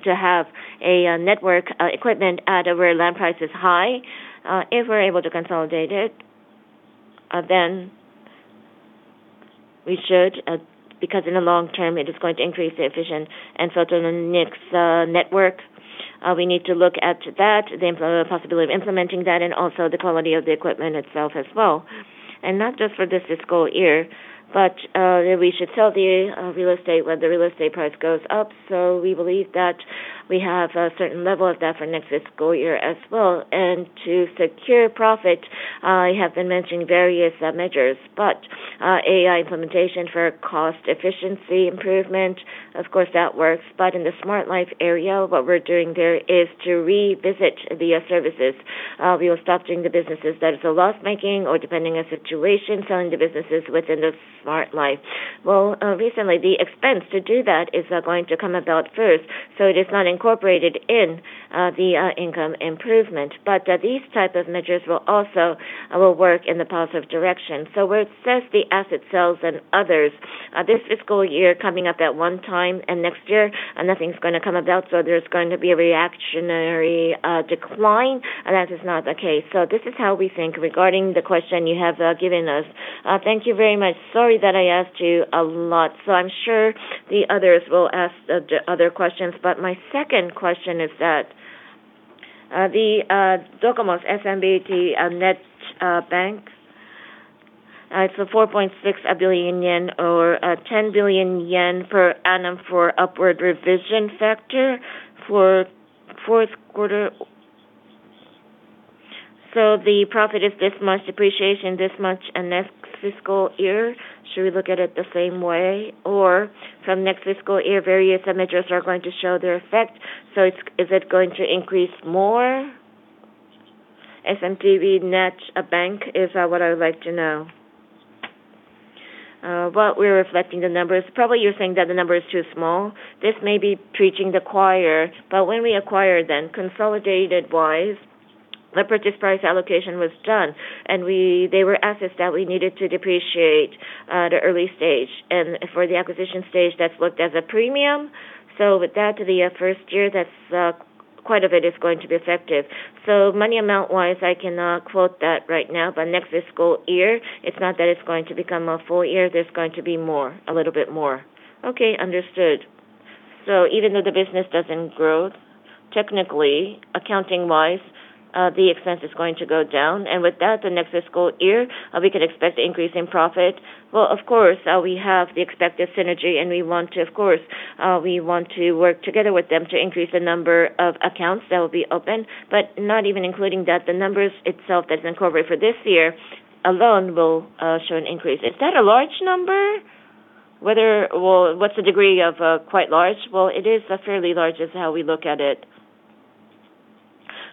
to have a network equipment at where land price is high. If we're able to consolidate it, then we should because in the long term, it is going to increase the efficient and photonics network. We need to look at that, the possibility of implementing that, and also the quality of the equipment itself as well. Not just for this fiscal year. We should sell the real estate when the real estate price goes up. We believe that we have a certain level of that for next fiscal year as well. To secure profit, I have been mentioning various measures. AI implementation for cost efficiency improvement, of course, that works. In the Smart Life area, what we're doing there is to revisit the services. We will stop doing the businesses that are loss-making or depending on situation, selling the businesses within the Smart Life. Well, recently, the expense to do that is going to come about first. It is not incorporated in the income improvement. These types of measures will also work in the positive direction. So where it says the asset sales and others, this fiscal year coming up at one time. And next year, nothing's going to come about. So there's going to be a reactionary decline. And that is not the case. So this is how we think regarding the question you have given us. Thank you very much. Sorry that I asked you a lot. So I'm sure the others will ask other questions. But my second question is that the DOCOMO SBI Sumishin Net Bank, it's a 4.6 billion yen or 10 billion yen per annum for upward revision factor for fourth quarter. So the profit is this much, depreciation this much, and next fiscal year, should we look at it the same way? Or from next fiscal year, various measures are going to show their effect. So is it going to increase more? Sumishin Net Bank is what I would like to know. But we're reflecting the numbers. Probably you're saying that the number is too small. This may be preaching to the choir. But when we acquired them, consolidated-wise, the purchase price allocation was done. And they were assets that we needed to depreciate at an early stage. And for the acquisition stage, that's booked as a premium. So with that, the first year, that's quite a bit is going to be effective. So money amount-wise, I cannot quote that right now. But next fiscal year, it's not that it's going to become a full year. There's going to be more, a little bit more. Okay, understood. So even though the business doesn't grow, technically, accounting-wise, the expense is going to go down. And with that, the next fiscal year, we could expect an increase in profit. Well, of course, we have the expected synergy. And we want to, of course, we want to work together with them to increase the number of accounts that will be open. But not even including that, the numbers itself that is incorporated for this year alone will show an increase. Is that a large number? Whether well, what's the degree of quite large? Well, it is fairly large is how we look at it.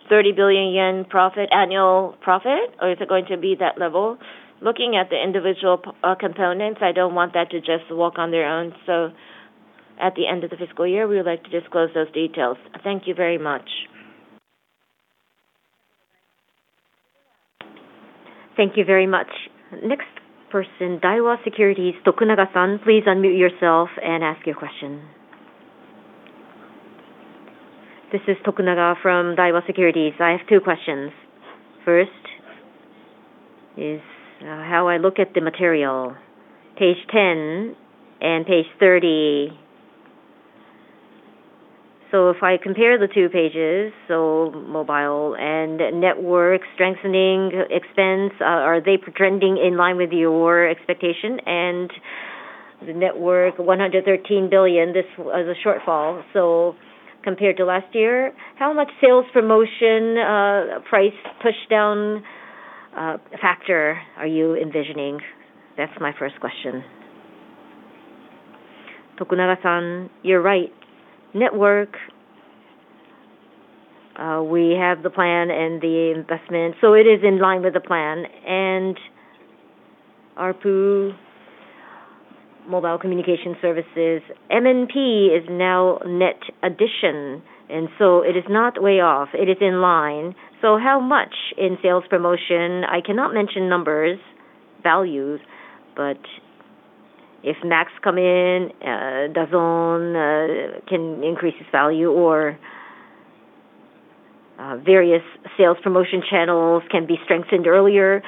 30 billion yen profit, annual profit, or is it going to be that level? Looking at the individual components, I don't want that to just walk on their own. So at the end of the fiscal year, we would like to disclose those details. Thank you very much. Thank you very much. Next person, Daiwa Securities, Tokunaga-san, please unmute yourself and ask your question. This is Tokunaga from Daiwa Securities. I have two questions. First is how I look at the material, Page 10 and Page 30. So if I compare the two Pages, so mobile and network strengthening expense, are they trending in line with your expectation? And the network, 113 billion, this was a shortfall. So compared to last year, how much sales promotion price push-down factor are you envisioning? That's my first question. Tokunaga-san, you're right. Network, we have the plan and the investment. So it is in line with the plan. And ARPU, mobile communication services, MNP is now net addition. And so it is not way off. It is in line. So how much in sales promotion? I cannot mention numbers, values. But if eximo come in, DAZN can increase its value, or various sales promotion channels can be strengthened earlier.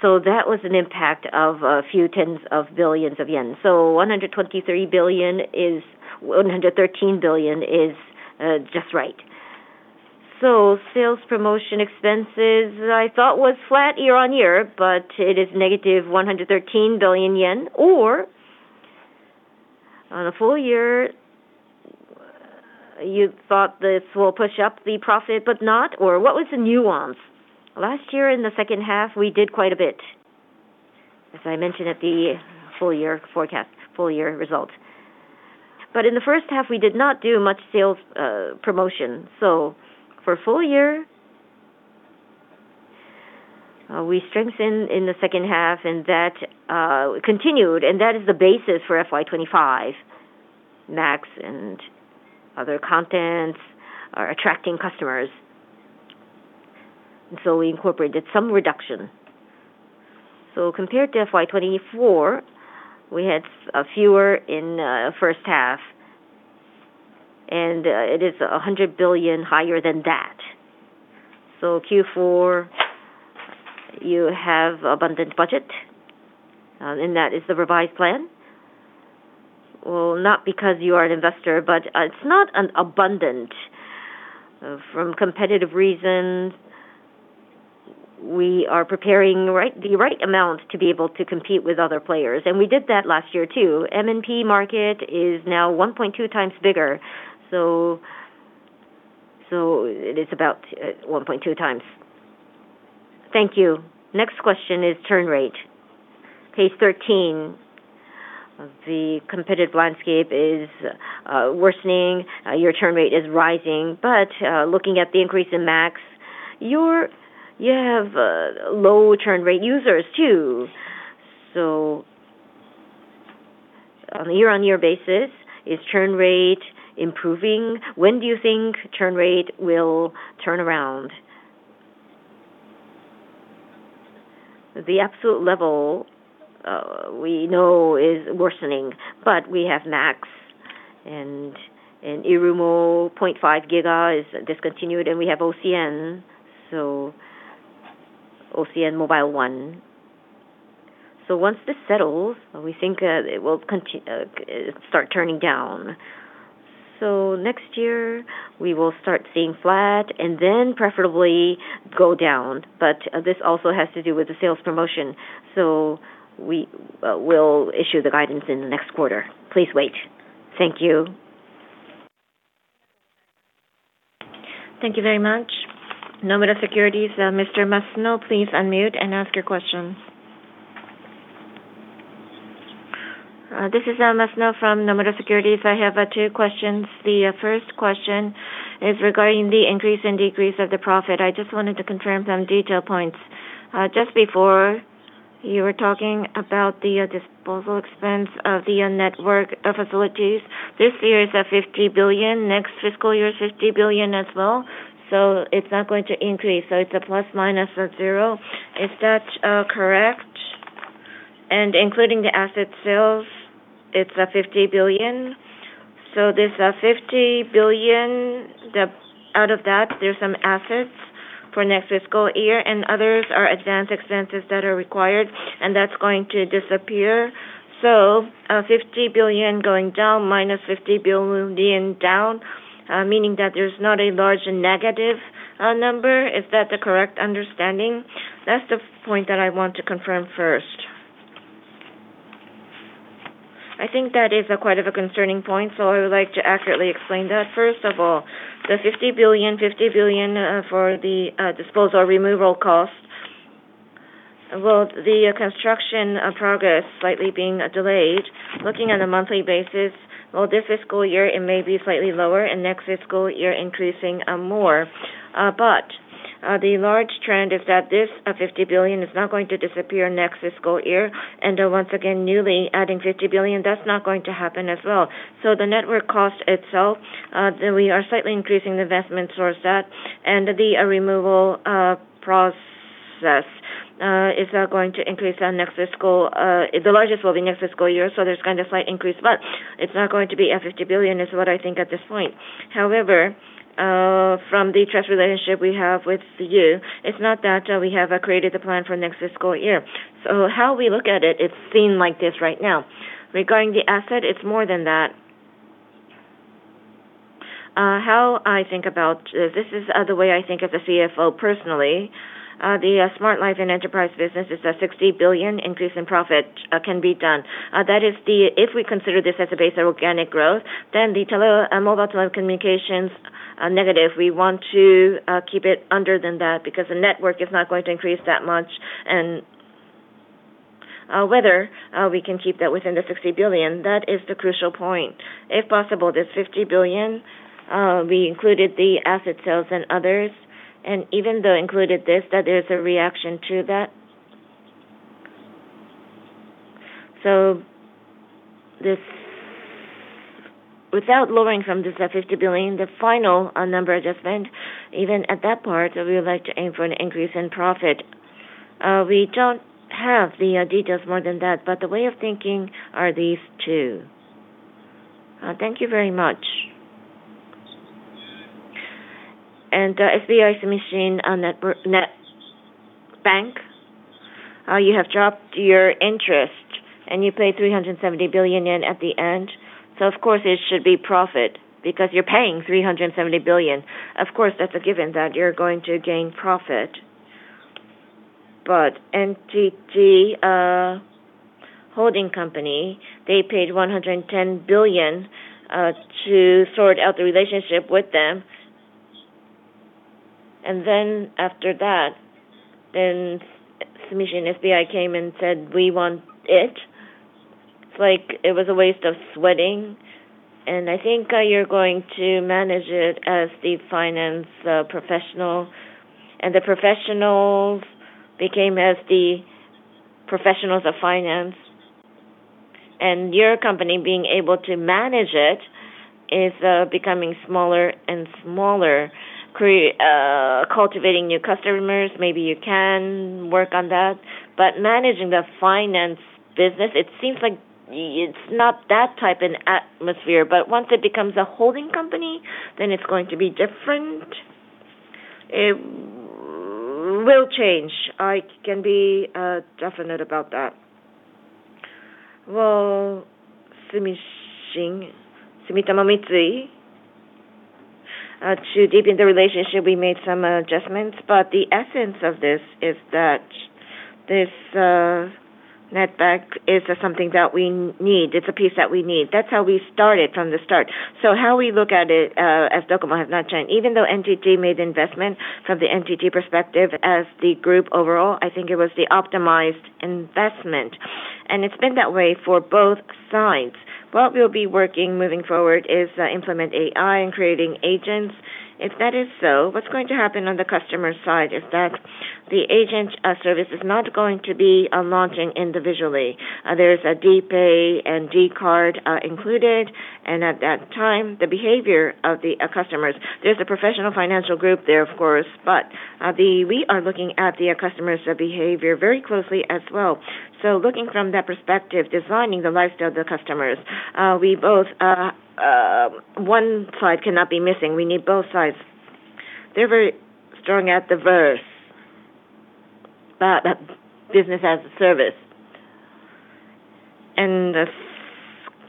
So that was an impact of a few tens of billions of JPY. $113 billion is just right. Sales promotion expenses, I thought was flat year-on-year. But it is negative 113 billion yen. Or on a full year, you thought this will push up the profit but not? Or what was the nuance? Last year, in the second half, we did quite a bit, as I mentioned at the full year forecast, full year result. But in the first half, we did not do much sales promotion. For full year, we strengthened in the second half. And that continued. And that is the basis for FY 2025, eximo, and other contents, attracting customers. So we incorporated some reduction. Compared to FY 2024, we had fewer in the first half. And it is 100 billion higher than that. Q4, you have abundant budget. And that is the revised plan. Well, not because you are an investor. But it's not abundant. From competitive reasons, we are preparing the right amount to be able to compete with other players. And we did that last year too. MNP market is now 1.2x bigger. So it is about 1.2x. Thank you. Next question is turn rate, Page 13. The competitive landscape is worsening. Your turn rate is rising. But looking at the increase in eximo, you have low turn rate users too. So on a year-on-year basis, is turn rate improving? When do you think turn rate will turn around? The absolute level we know is worsening. But we have eximo. And irumo 0.5 GB is discontinued. And we have OCN, so OCN Mobile ONE. So once this settles, we think it will start turning down. So next year, we will start seeing flat and then preferably go down. But this also has to do with the sales promotion. So we will issue the guidance in the next quarter. Please wait. Thank you. Thank you very much. Nomura Securities, Mr. Masuno, please unmute and ask your question. This is Masuno from Nomura Securities. I have two questions. The first question is regarding the increase and decrease of the profit. I just wanted to confirm some detail points. Just before, you were talking about the disposal expense of the network facilities. This year is 50 billion. Next fiscal year is 50 billion as well. So it's not going to increase. So it's a plus minus of zero. Is that correct? And including the asset sales, it's 50 billion. So this 50 billion, out of that, there's some assets for next fiscal year. And others are advanced expenses that are required. And that's going to disappear. So 50 billion going down minus 50 billion down, meaning that there's not a large negative number. Is that the correct understanding? That's the point that I want to confirm first. I think that is quite a concerning point. So I would like to accurately explain that. First of all, the 50 billion, 50 billion for the disposal removal cost, well, the construction progress slightly being delayed. Looking on a monthly basis, well, this fiscal year, it may be slightly lower. And next fiscal year, increasing more. But the large trend is that this 50 billion is not going to disappear next fiscal year. And once again, newly adding 50 billion, that's not going to happen as well. So the network cost itself, we are slightly increasing the investment towards that. And the removal process is going to increase next fiscal; the largest will be next fiscal year. So there's going to be a slight increase. But it's not going to be $50 billion, is what I think at this point. However, from the trust relationship we have with you, it's not that we have created the plan for next fiscal year. So how we look at it, it's seen like this right now. Regarding the asset, it's more than that. How I think about this, this is the way I think as a CFO personally. The Smart Life and Enterprise business is a $60 billion increase in profit can be done. That is, if we consider this as a base organic growth, then the mobile telecommunications negative, we want to keep it under than that because the network is not going to increase that much. And whether we can keep that within the $60 billion, that is the crucial point. If possible, this 50 billion, we included the asset sales and others. And even though included this, that there's a reaction to that. So without lowering from this 50 billion, the final number adjustment, even at that part, we would like to aim for an increase in profit. We don't have the details more than that. But the way of thinking are these two. Thank you very much. And SBI Sumishin Net Bank, you have dropped your interest. And you paid 370 billion at the end. So, of course, it should be profit because you're paying 370 billion. Of course, that's a given that you're going to gain profit. But NTT Holding Company, they paid 110 billion to sort out the relationship with them. And then after that, then SBI Sumishin came and said, "We want it." It's like it was a waste of sweating. I think you're going to manage it as the finance professional. The professionals became as the professionals of finance. Your company being able to manage it is becoming smaller and smaller, cultivating new customers. Maybe you can work on that. But managing the finance business, it seems like it's not that type of an atmosphere. But once it becomes a holding company, then it's going to be different. It will change. I can be definite about that. Well, Sumitomo Mitsui, to deepen the relationship, we made some adjustments. But the essence of this is that this net bank is something that we need. It's a piece that we need. That's how we started from the start. So how we look at it as Tokunaga has not changed. Even though NTT made the investment from the NTT perspective as the group overall, I think it was the optimized investment. It's been that way for both sides. What we'll be working moving forward is implementing AI and creating agents. If that is so, what's going to happen on the customer side is that the agent service is not going to be launching individually. There's a d Pay and d CARD included. At that time, the behavior of the customers, there's a professional financial group there, of course. But we are looking at the customer's behavior very closely as well. So looking from that perspective, designing the lifestyle of the customers, we both one side cannot be missing. We need both sides. They're very strong at the BaaS, business as a service.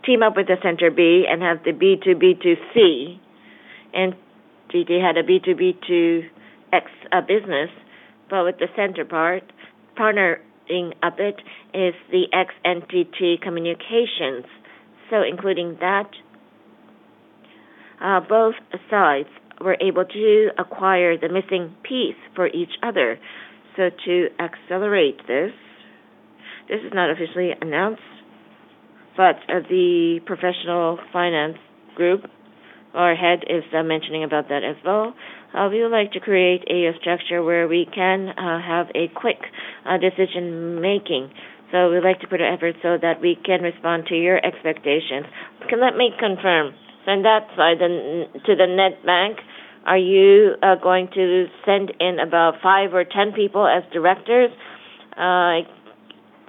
Team up with the center B and have the B2B2C. NTT had a B2B2X business. But with the center part, partnering up, it is the ex-NTT Communications. So including that, both sides were able to acquire the missing piece for each other. So to accelerate this, this is not officially announced. But the professional finance group, our head is mentioning about that as well. We would like to create a structure where we can have a quick decision-making. So we would like to put our efforts so that we can respond to your expectations. Can let me confirm. From that side to the net bank, are you going to send in about 5 or 10 people as directors?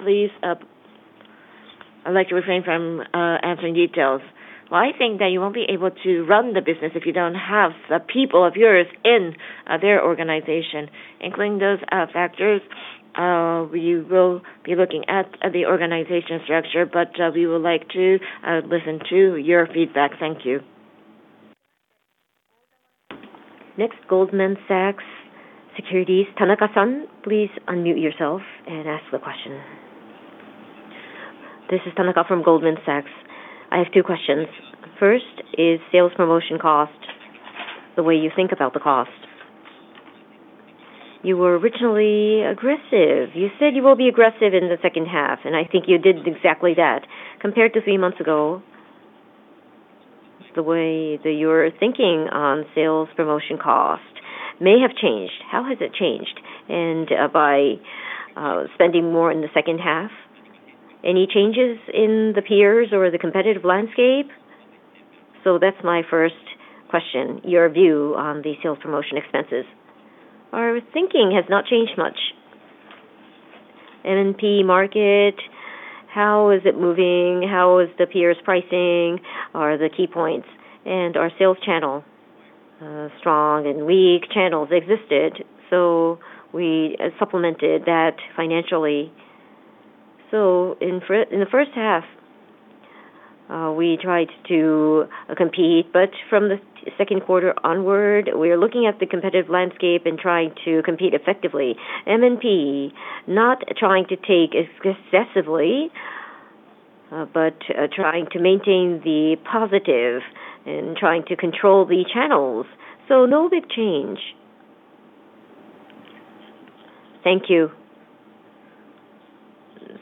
Please, I'd like to refrain from answering details. Well, I think that you won't be able to run the business if you don't have people of yours in their organization. Including those factors, we will be looking at the organization structure. But we would like to listen to your feedback. Thank you. Next, Goldman Sachs, Tanaka-san, please unmute yourself and ask the question. This is Tanaka from Goldman Sachs. I have two questions. First, is sales promotion cost the way you think about the cost? You were originally aggressive. You said you will be aggressive in the second half. And I think you did exactly that. Compared to three months ago, the way that you're thinking on sales promotion cost may have changed. How has it changed? And by spending more in the second half, any changes in the peers or the competitive landscape? So that's my first question, your view on the sales promotion expenses. Our thinking has not changed much. MNP market, how is it moving? How is the peers pricing? Are the key points? And are sales channels, strong and weak, channels existed? So we supplemented that financially. So in the first half, we tried to compete. But from the second quarter onward, we're looking at the competitive landscape and trying to compete effectively. MNP, not trying to take excessively, but trying to maintain the positive and trying to control the channels. So no big change. Thank you.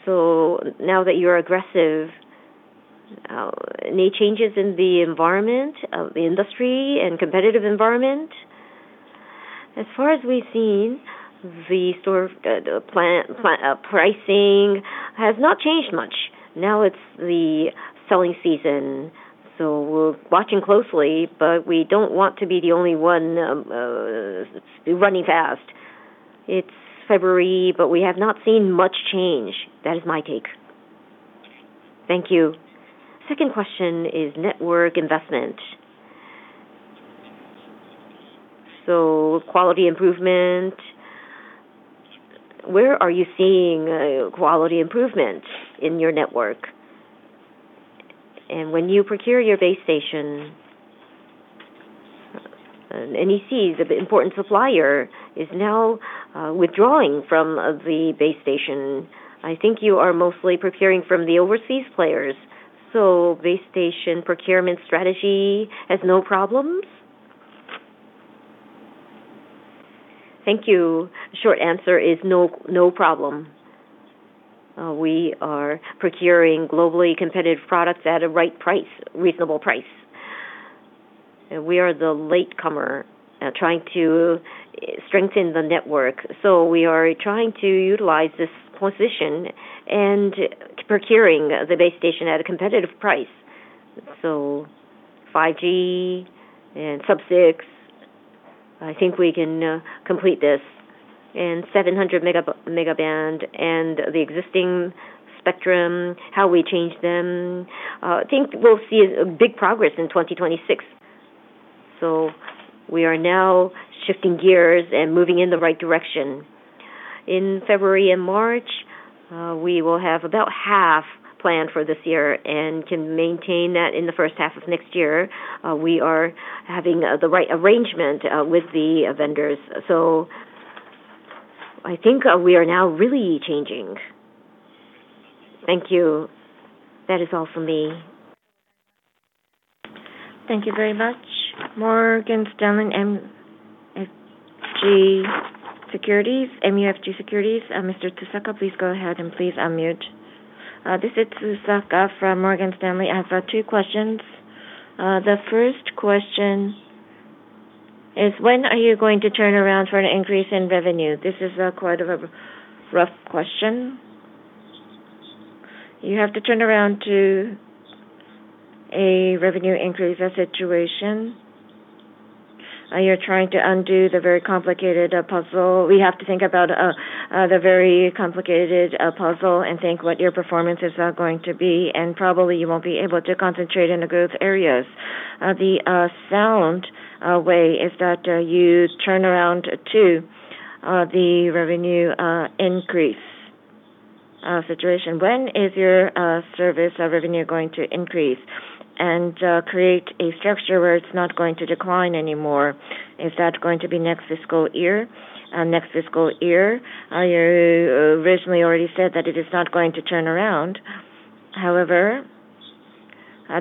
So now that you're aggressive, any changes in the environment of the industry and competitive environment? As far as we've seen, the pricing has not changed much. Now it's the selling season. So we're watching closely. But we don't want to be the only one running fast. It's February. But we have not seen much change. That is my take. Thank you. Second question is network investment. So quality improvement, where are you seeing quality improvement in your network? When you procure your base station, NEC, the important supplier, is now withdrawing from the base station. I think you are mostly procuring from the oBaaSas players. So base station procurement strategy has no problems? Thank you. Short answer is no problem. We are procuring globally competitive products at a right price, reasonable price. We are the latecomer trying to strengthen the network. So we are trying to utilize this position and procuring the base station at a competitive price. So 5G and Sub-6, I think we can complete this. 700 MHz band and the existing spectrum, how we change them, I think we'll see big progress in 2026. So we are now shifting gears and moving in the right direction. In February and March, we will have about half planned for this year and can maintain that in the first half of next year. We are having the right arrangement with the vendors. So I think we are now really changing. Thank you. That is all from me. Thank you very much. Morgan Stanley MUFG Securities, Mr. Tsusaka, please go ahead and please unmute. This is Tsusaka from Morgan Stanley. I have two questions. The first question is, when are you going to turn around for an increase in revenue? This is quite a rough question. You have to turn around to a revenue increase situation. You're trying to undo the very complicated puzzle. We have to think about the very complicated puzzle and think what your performance is going to be. And probably, you won't be able to concentrate in the growth areas. The sound way is that you turn around to the revenue increase situation. When is your service revenue going to increase and create a structure where it's not going to decline anymore? Is that going to be next fiscal year? Next fiscal year, you originally already said that it is not going to turn around. However,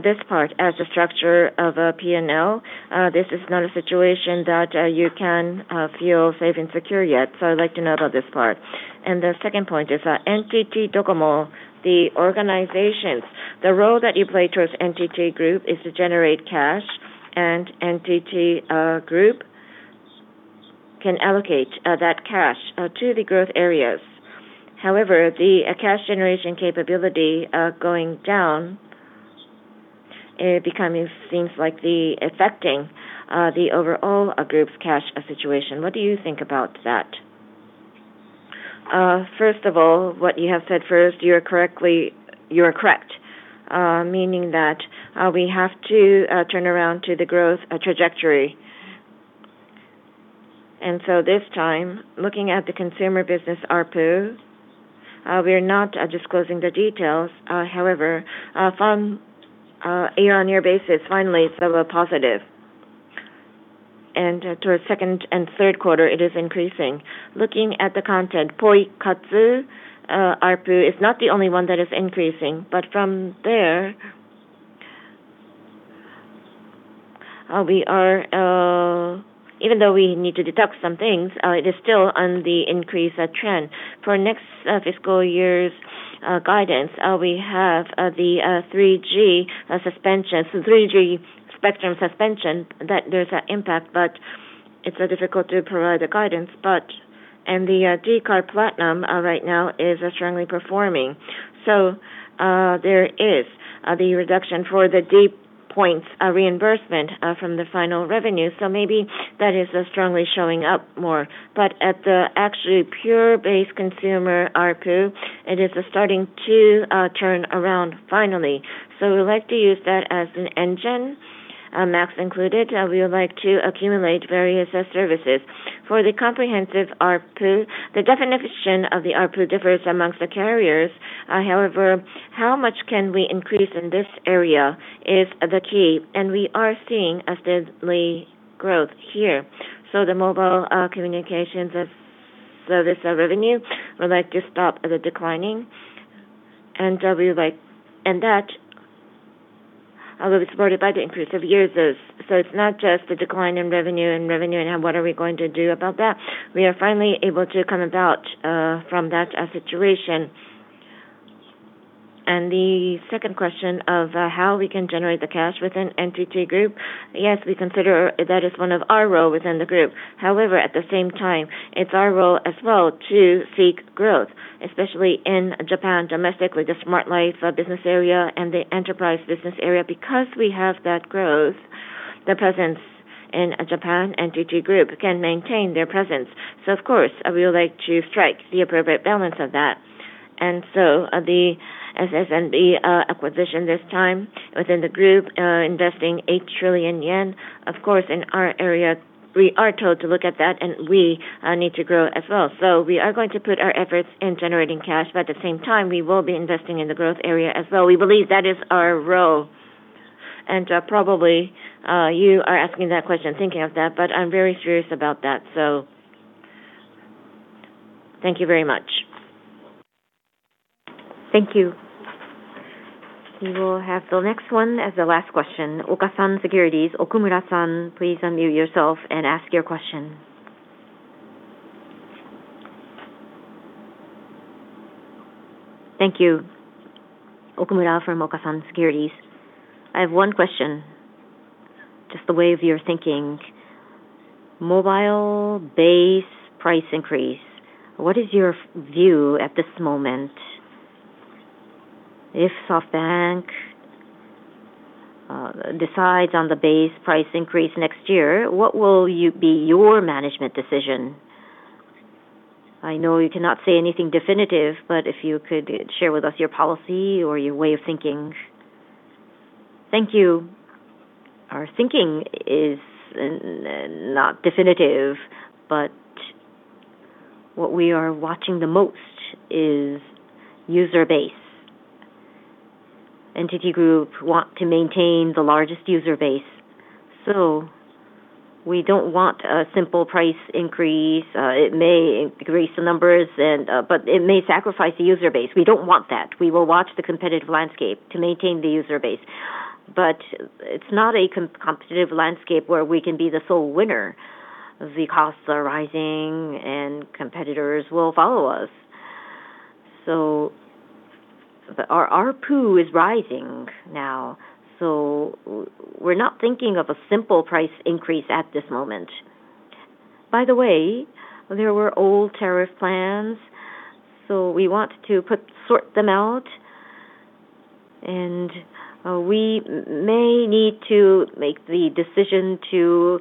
this part, as a structure of a P&L, this is not a situation that you can feel safe and secure yet. So I'd like to know about this part. And the second point is NTT Com, the organization, the role that you play towards NTT Group is to generate cash. And NTT Group can allocate that cash to the growth areas. However, the cash generation capability going down seems like affecting the overall group's cash situation. What do you think about that? First of all, what you have said first, you are correct, meaning that we have to turn around to the growth trajectory. This time, looking at the consumer business ARPU, we are not disclosing the details. However, on a year-on-year basis, finally, of a positive. Towards second and third quarter, it is increasing. Looking at the content, Poikatsu ARPU is not the only one that is increasing. From there, even though we need to detect some things, it is still on the increase trend. For next fiscal year's guidance, we have the 3G spectrum suspension that there's an impact. It's difficult to provide the guidance. The d CARD PLATINUM right now is strongly performing. So there is the reduction for the d POINT reimbursement from the final revenue. So maybe that is strongly showing up more. At the actually pure base consumer ARPU, it is starting to turn around finally. We would like to use that as an engine, eximo included. We would like to accumulate various services. For the comprehensive ARPU, the definition of the ARPU differs among the carriers. However, how much can we increase in this area is the key. We are seeing a steady growth here. The mobile communications as this revenue, we would like to stop the declining. That will be supported by the inclusive years. It's not just the decline in revenue and revenue and what are we going to do about that. We are finally able to come about from that situation. The second question of how we can generate the cash within NTT Group, yes, we consider that as one of our roles within the group. However, at the same time, it's our role as well to seek growth, especially in Japan domestically, the Smart Life business area and the Enterprise business area. Because we have that growth, the presence in Japan NTT Group can maintain their presence. So, of course, we would like to strike the appropriate balance of that. And so the SSNB acquisition this time within the group, investing 8 trillion yen, of course, in our area, we are told to look at that. And we need to grow as well. So we are going to put our efforts in generating cash. But at the same time, we will be investing in the growth area as well. We believe that is our role. And probably, you are asking that question, thinking of that. But I'm very serious about that. So thank you very much. Thank you. We will have the next one as the last question. Okasan Securities, Okumura-san, please unmute yourself and ask your question. Thank you, Okumura from Okasan Securities. I have one question, just the way of your thinking. Mobile base price increase, what is your view at this moment? If SoftBank decides on the base price increase next year, what will be your management decision? I know you cannot say anything definitive. But if you could share with us your policy or your way of thinking. Thank you. Our thinking is not definitive. But what we are watching the most is user base. NTT Group wants to maintain the largest user base. So we don't want a simple price increase. It may increase the numbers, but it may sacrifice the user base. We don't want that. We will watch the competitive landscape to maintain the user base. But it's not a competitive landscape where we can be the sole winner. The costs are rising. And competitors will follow us. So our ARPU is rising now. So we're not thinking of a simple price increase at this moment. By the way, there were old tariff plans. So we want to sort them out. And we may need to make the decision to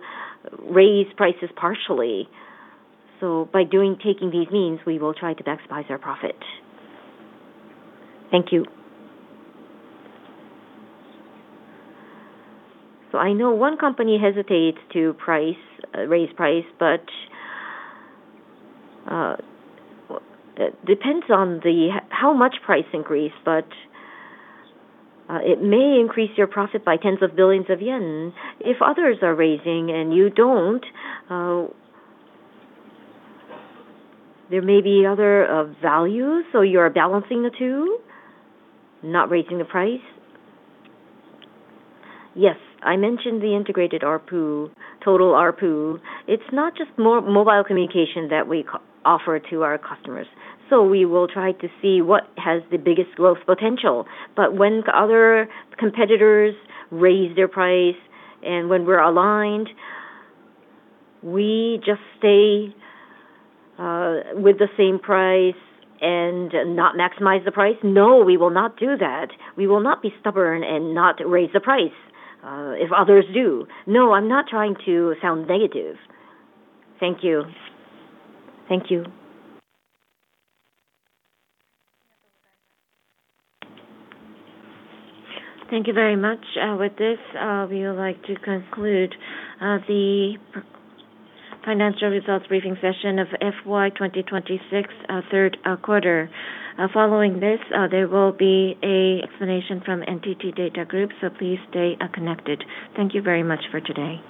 raise prices partially. So by taking these means, we will try to maximize our profit. Thank you. So I know one company hesitates to raise price. But it depends on how much price increase. But it may increase your profit by tens of billions of JPY. If others are raising and you don't, there may be other values. So you are balancing the two, not raising the price. Yes, I mentioned the integrated ARPU, total ARPU. It's not just mobile communication that we offer to our customers. So we will try to see what has the biggest growth potential. But when other competitors raise their price and when we're aligned, we just stay with the same price and not maximize the price? No, we will not do that. We will not be stubborn and not raise the price if others do. No, I'm not trying to sound negative. Thank you. Thank you. Thank you very much. With this, we would like to conclude the financial results briefing session of FY 2026 third quarter. Following this, there will be an explanation from NTT DATA group. so please stay connected. Thank you very much for today.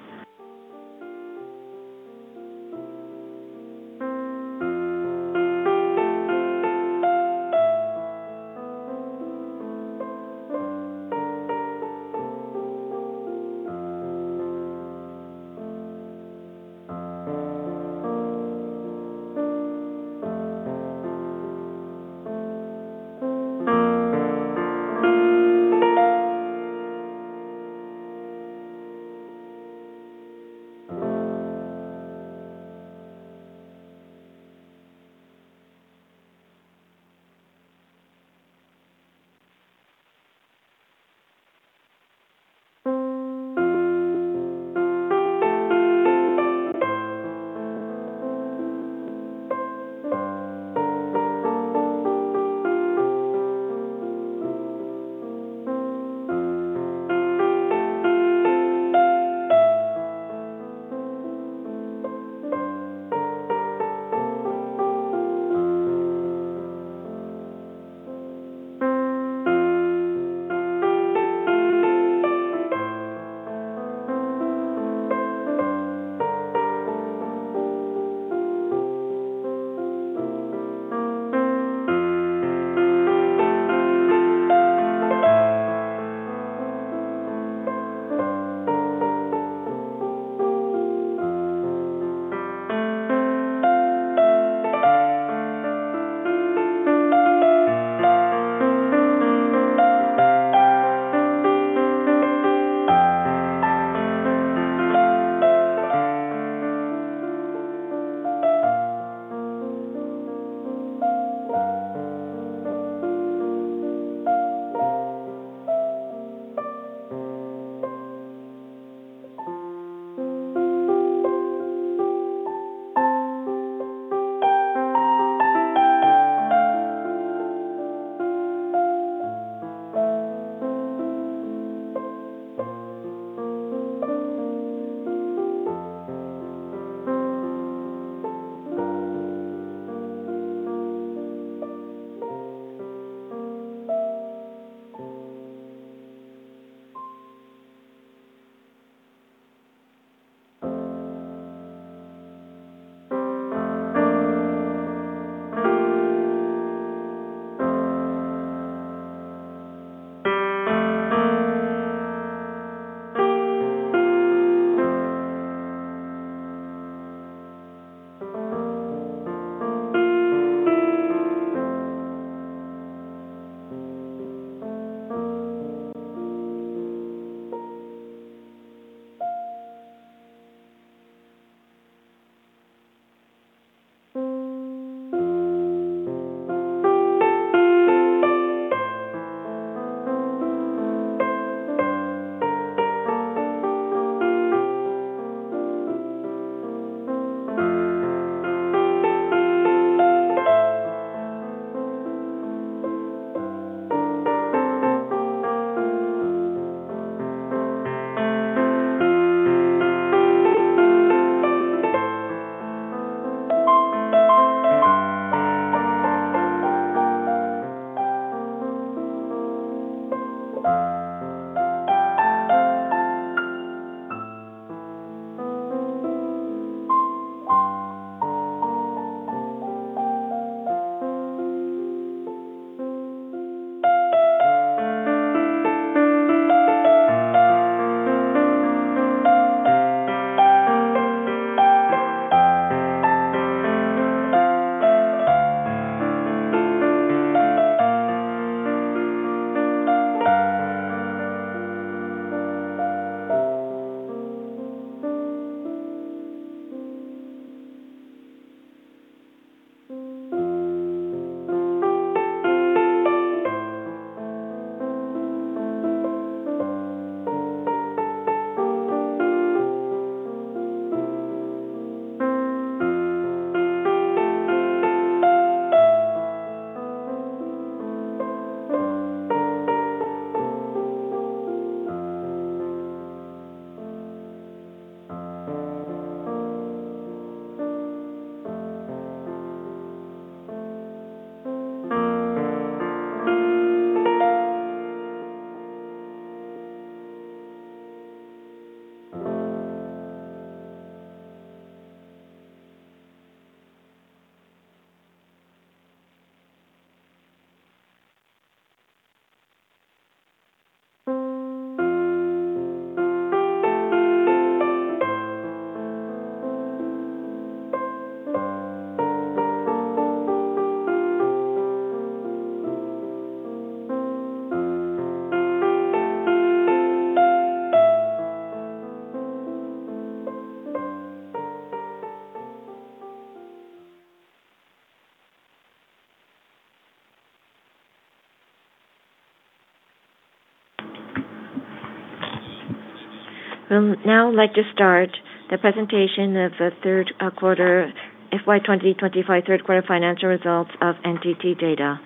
We will now like to start the presentation of the third quarter FY 2025 third quarter financial results of NTT DATA.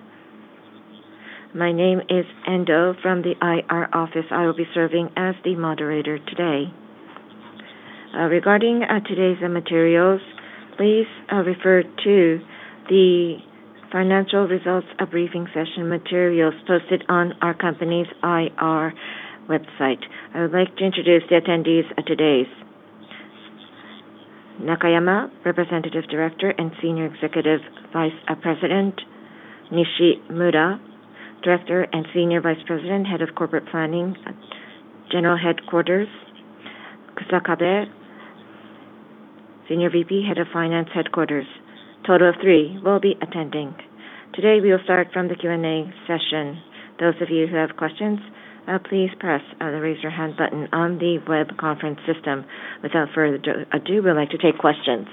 My name is Endo from the IR office. I will be serving as the moderator today. Regarding today's materials, please refer to the financial results briefing session materials posted on our company's IR website. I would like to introduce the attendees today: Nakayama, Representative Director and Senior Executive Vice President; Nishimura, Director and Senior Vice President, Head of Corporate Planning General Headquarters; Kusakabe, Senior Vice President, Head of Finance Headquarters. Total of three will be attending. Today, we will start from the Q&A session. Those of you who have questions, please press the raise your hand button on the web conference system. Without further ado, we would like to take questions.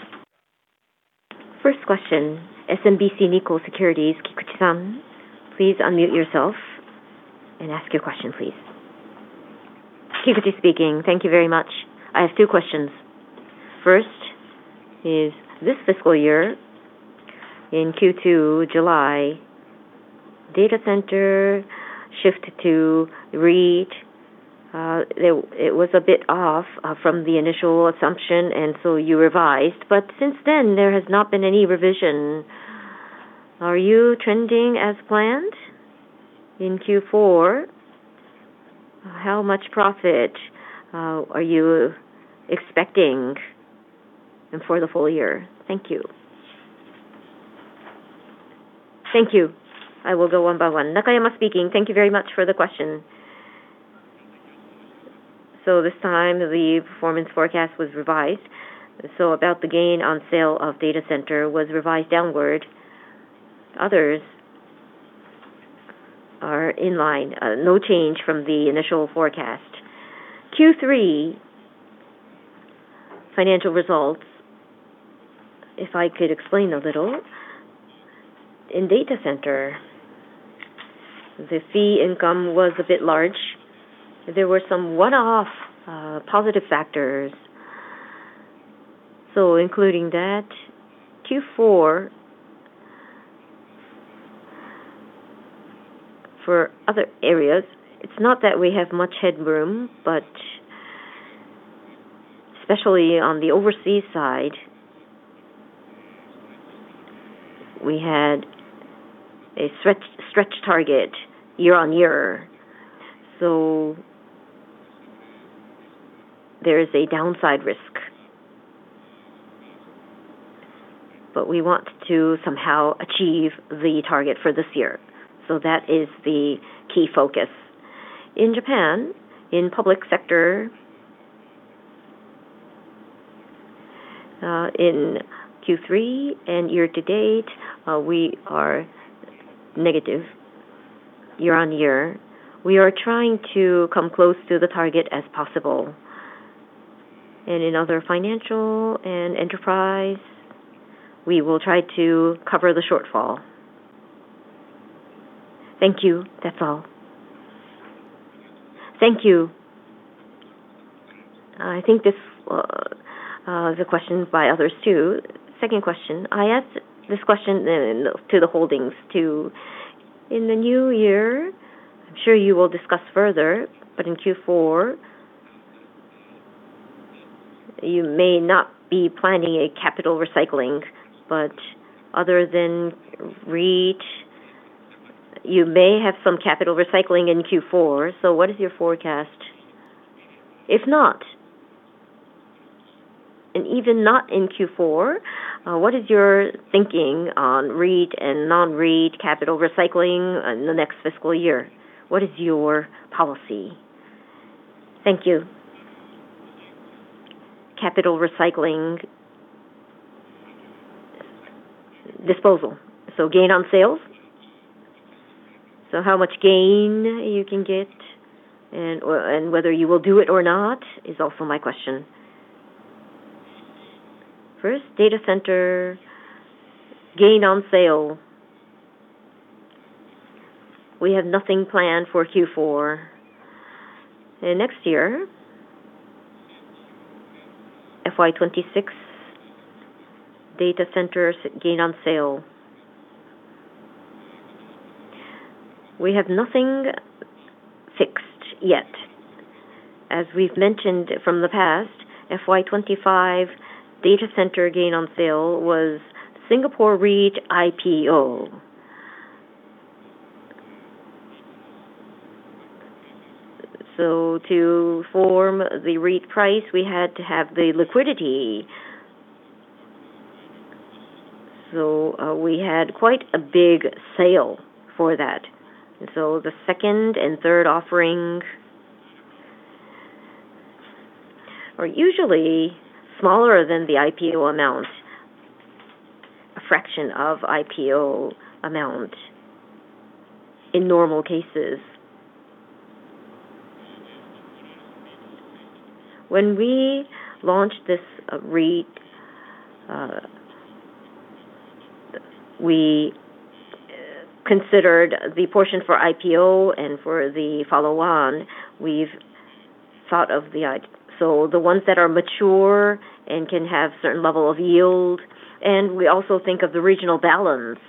First question, SMBC Nikko Securities, Kikuchi-san. Please unmute yourself and ask your question, please. Kikuchi speaking. Thank you very much. I have two questions. First is, this fiscal year in Q2 July, data center shift to REIT, it was a bit off from the initial assumption. And so you revised. But since then, there has not been any revision. Are you trending as planned in Q4? How much profit are you expecting for the full year? Thank you. Thank you. I will go one by one. Nakayama speaking. Thank you very much for the question. So this time, the performance forecast was revised. So about the gain on sale of data center was revised downward. Others are in line. No change from the initial forecast. Q3 financial results, if I could explain a little. In data center, the fee income was a bit large. There were some one-off positive factors. So including that, Q4 for other areas, it's not that we have much headroom. But especially on the oBaaSas side, we had a stretch target year-on-year. So there is a downside risk. But we want to somehow achieve the target for this year. So that is the key focus. In Japan, in the public sector, in Q3 and year to date, we are negative year-on-year. We are trying to come close to the target as possible. And in other financial and enterprise, we will try to cover the shortfall. Thank you. That's all. Thank you. I think this is a question by others too. Second question, I asked this question to the holdings too. In the new year, I'm sure you will discuss further. But in Q4, you may not be planning a capital recycling. But other than REIT, you may have some capital recycling in Q4. So what is your forecast? If not, and even not in Q4, what is your thinking on REIT and non-REIT capital recycling in the next fiscal year? What is your policy? Thank you. Capital recycling disposal. So gain on sales? So how much gain you can get and whether you will do it or not is also my question. First, data center gain on sale. We have nothing planned for Q4. Next year, FY 2026, data center gain on sale. We have nothing fixed yet. As we've mentioned from the past, FY 2025 data center gain on sale was Singapore REIT IPO. So to form the REIT price, we had to have the liquidity. So we had quite a big sale for that. So the second and third offering are usually smaller than the IPO amount, a fraction of IPO amount in normal cases. When we launched this REIT, we considered the portion for IPO and for the follow-on. We've thought of so the ones that are mature and can have certain level of yield. And we also think of the regional balance.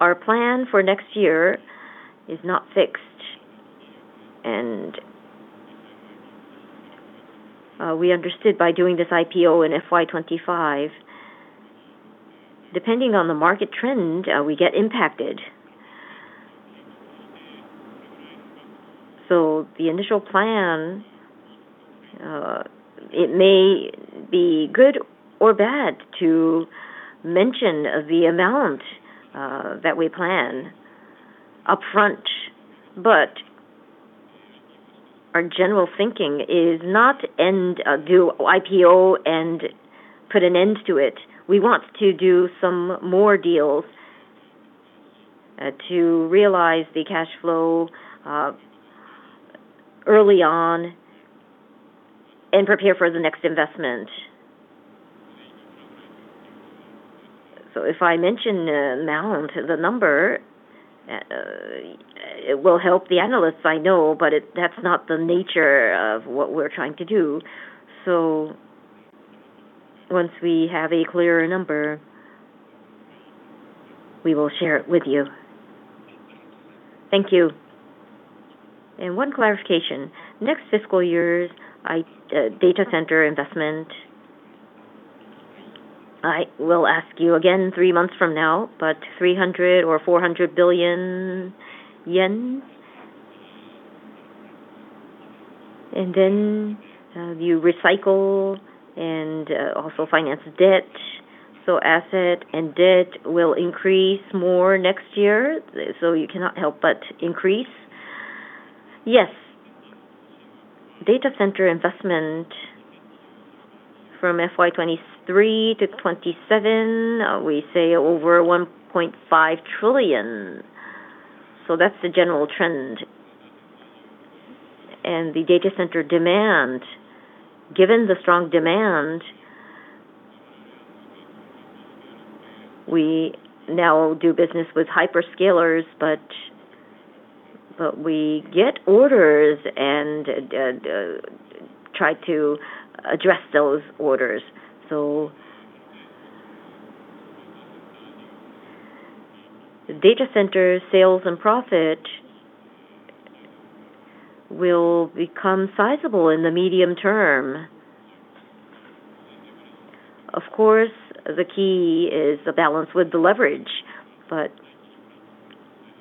Our plan for next year is not fixed. We understood by doing this IPO in FY 2025, depending on the market trend, we get impacted. The initial plan, it may be good or bad to mention the amount that we plan upfront. Our general thinking is not do IPO and put an end to it. We want to do some more deals to realize the cash flow early on and prepare for the next investment. If I mention the amount, the number, it will help the analysts, I know. That's not the nature of what we're trying to do. Once we have a clearer number, we will share it with you. Thank you. One clarification. Next fiscal years, data center investment, I will ask you again three months from now. But 300 billion or 400 billion yen. And then you recycle and also finance debt. So asset and debt will increase more next year. So you cannot help but increase. Yes. Data center investment from FY 2023 to 2027, we say over 1.5 trillion. So that's the general trend. And the data center demand, given the strong demand, we now do business with hyperscalers. But we get orders and try to address those orders. So data center sales and profit will become sizable in the medium term. Of course, the key is the balance with the leverage.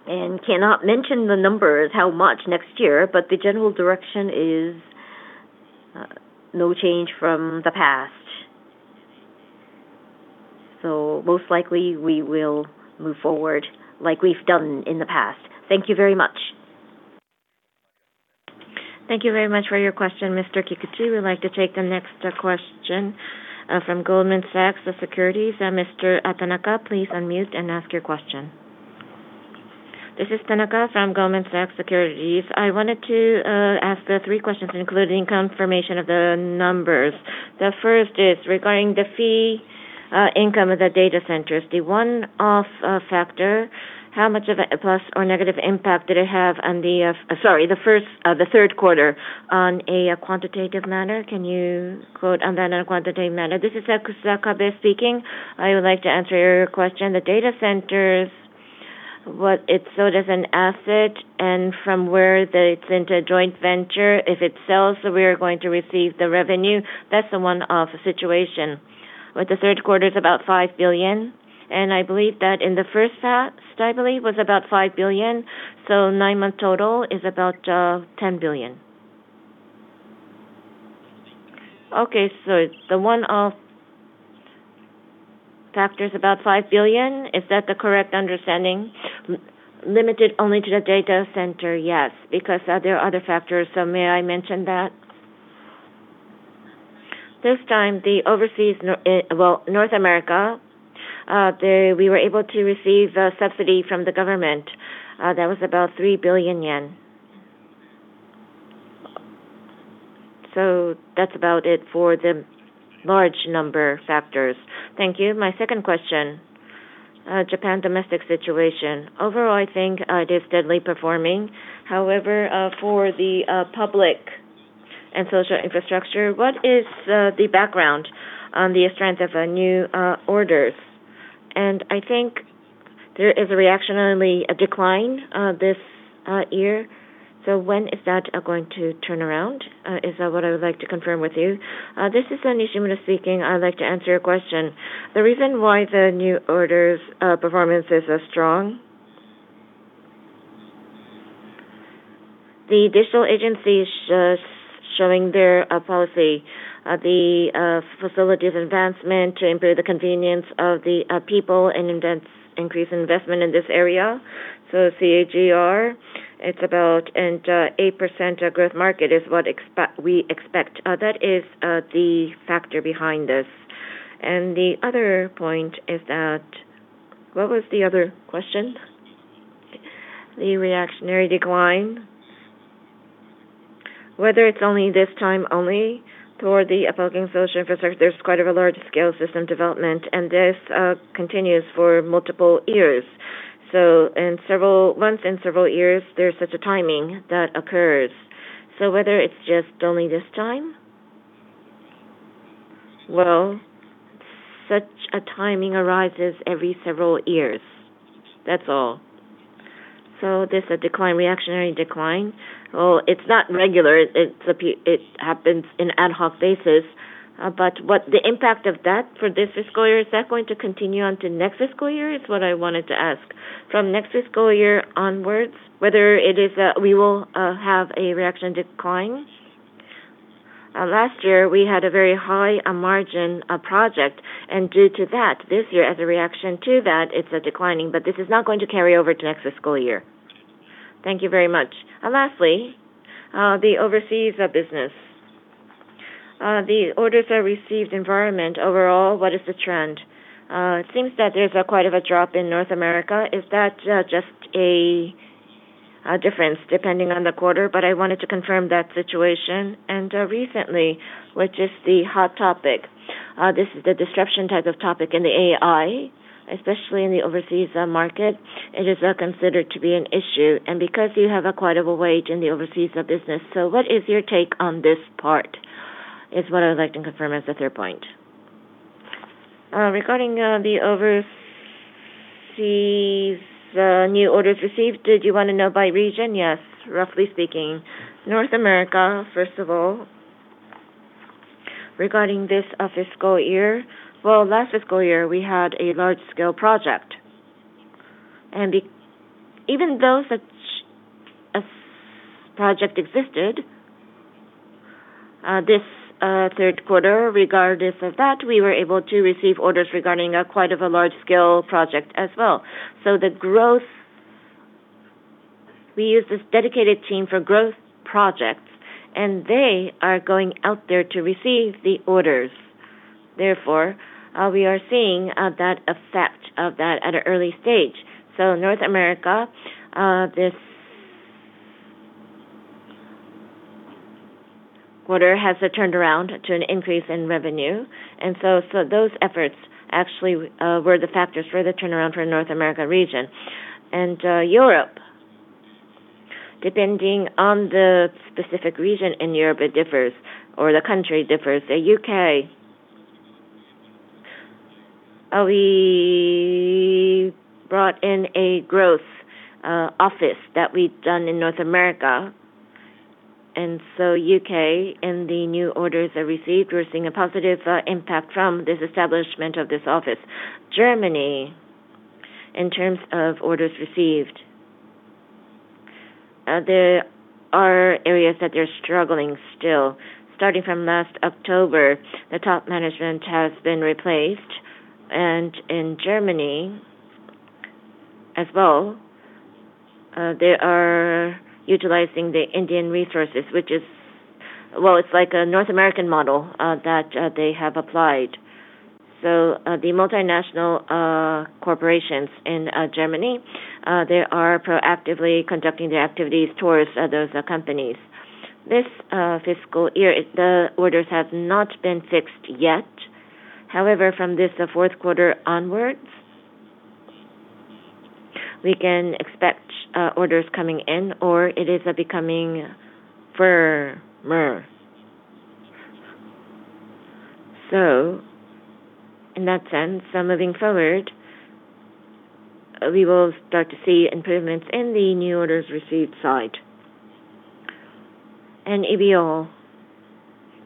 And cannot mention the numbers, how much next year. But the general direction is no change from the past. So most likely, we will move forward like we've done in the past. Thank you very much. Thank you very much for your question, Mr. Kikuchi. We'd like to take the next question from Goldman Sachs Securities. Mr. Tanaka, please unmute and ask your question. This is Tanaka from Goldman Sachs. I wanted to ask the three questions, including confirmation of the numbers. The first is regarding the fee income of the data centers. The one-off factor, how much of a plus or negative impact did it have on the third quarter on a quantitative manner? Can you quote on that in a quantitative manner? This is Kusakabe speaking. I would like to answer your question. The data centers, what it's sold as an asset and from where it's into joint venture, if it sells, we are going to receive the revenue. That's the one-off situation. But the third quarter is about 5 billion. And I believe that in the first half, I believe, was about 5 billion. So nine months total is about 10 billion. Okay. So the one-off factor is about 5 billion. Is that the correct understanding? Limited only to the data center, yes. Because there are other factors. So may I mention that? This time, the oBaaSas, well, North America, we were able to receive subsidy from the government. That was about 3 billion yen. So that's about it for the large number factors. Thank you. My second question, Japan domestic situation. Overall, I think it is steadily performing. However, for the public and social infrastructure, what is the background on the strength of new orders? And I think there is a reactionarily a decline this year. So when is that going to turn around? Is that what I would like to confirm with you? This is Nishimura speaking. I'd like to answer your question. The reason why the new orders performance is as strong, the Digital Agency showing their policy, the facilities advancement to improve the convenience of the people and increase investment in this area. So CAGR, it's about an 8% growth market is what we expect. That is the factor behind this. And the other point is that what was the other question? The reactionary decline. Whether it's only this time only, toward the upcoming social infrastructure, there's quite a large-scale system development. And this continues for multiple years. So once in several years, there's such a timing that occurs. So whether it's just only this time, well, such a timing arises every several years. That's all. So there's a decline, reactionary decline. Well, it's not regular. It happens on an ad hoc basis. But the impact of that for this fiscal year—is that going to continue onto next fiscal year?—is what I wanted to ask. From next fiscal year onwards, whether it is that we will have a reaction decline. Last year, we had a very high margin project. Due to that, this year, as a reaction to that, it's declining. But this is not going to carry over to next fiscal year. Thank you very much. Lastly, the oBaaSas business. The orders received environment, overall, what is the trend? It seems that there's quite a drop in North America. Is that just a difference depending on the quarter? But I wanted to confirm that situation. And recently, which is the hot topic, this is the disruption type of topic in the AI, especially in the oBaaSas market. It is considered to be an issue. Because you have a notable growth in the oBaaSas business, what is your take on this part? This is what I would like to confirm as the third point. Regarding the oBaaSas new orders received, did you want to know by region? Yes, roughly speaking. North America, first of all, regarding this fiscal year, well, last fiscal year, we had a large-scale project. Even though such a project existed, this third quarter, regardless of that, we were able to receive orders regarding quite a large-scale project as well. So the growth we use this dedicated team for growth projects. They are going out there to receive the orders. Therefore, we are seeing that effect of that at an early stage. So North America, this quarter has turned around to an increase in revenue. Those efforts actually were the factors for the turnaround for North America region. Europe, depending on the specific region in Europe, it differs or the country differs. The U.K., we brought in a growth office that we've done in North America. U.K., in the new orders received, we're seeing a positive impact from this establishment of this office. Germany, in terms of orders received, there are areas that they're struggling still. Starting from last October, the top management has been replaced. And in Germany as well, they are utilizing the Indian resources, which is well, it's like a North American model that they have applied. So the multinational corporations in Germany, they are proactively conducting their activities towards those companies. This fiscal year, the orders have not been fixed yet. However, from this fourth quarter onwards, we can expect orders coming in or it is becoming firmer. So in that sense, moving forward, we will start to see improvements in the new orders received side. And EMEAL,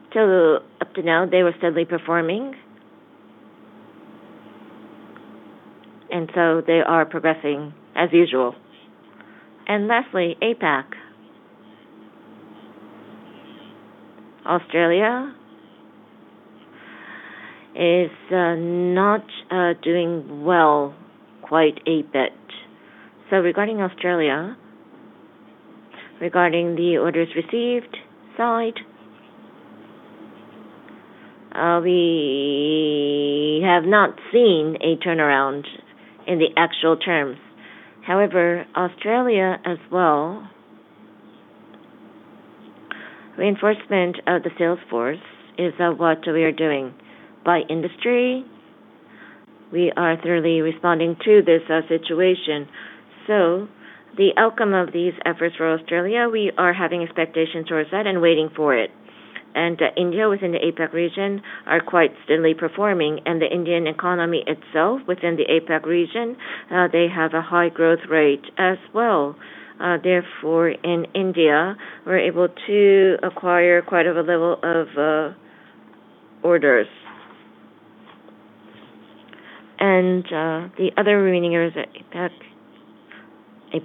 up to now, they were steadily performing. And so they are progressing as usual. And lastly, APAC, Australia is not doing well quite a bit. So regarding Australia, regarding the orders received side, we have not seen a turnaround in the actual terms. However, Australia as well, reinforcement of the sales force is what we are doing. By industry, we are thoroughly responding to this situation. So the outcome of these efforts for Australia, we are having expectations towards that and waiting for it. And India within the APAC region are quite steadily performing. And the Indian economy itself within the APAC region, they have a high growth rate as well. Therefore, in India, we're able to acquire quite a level of orders. The other remaining areas, APAC,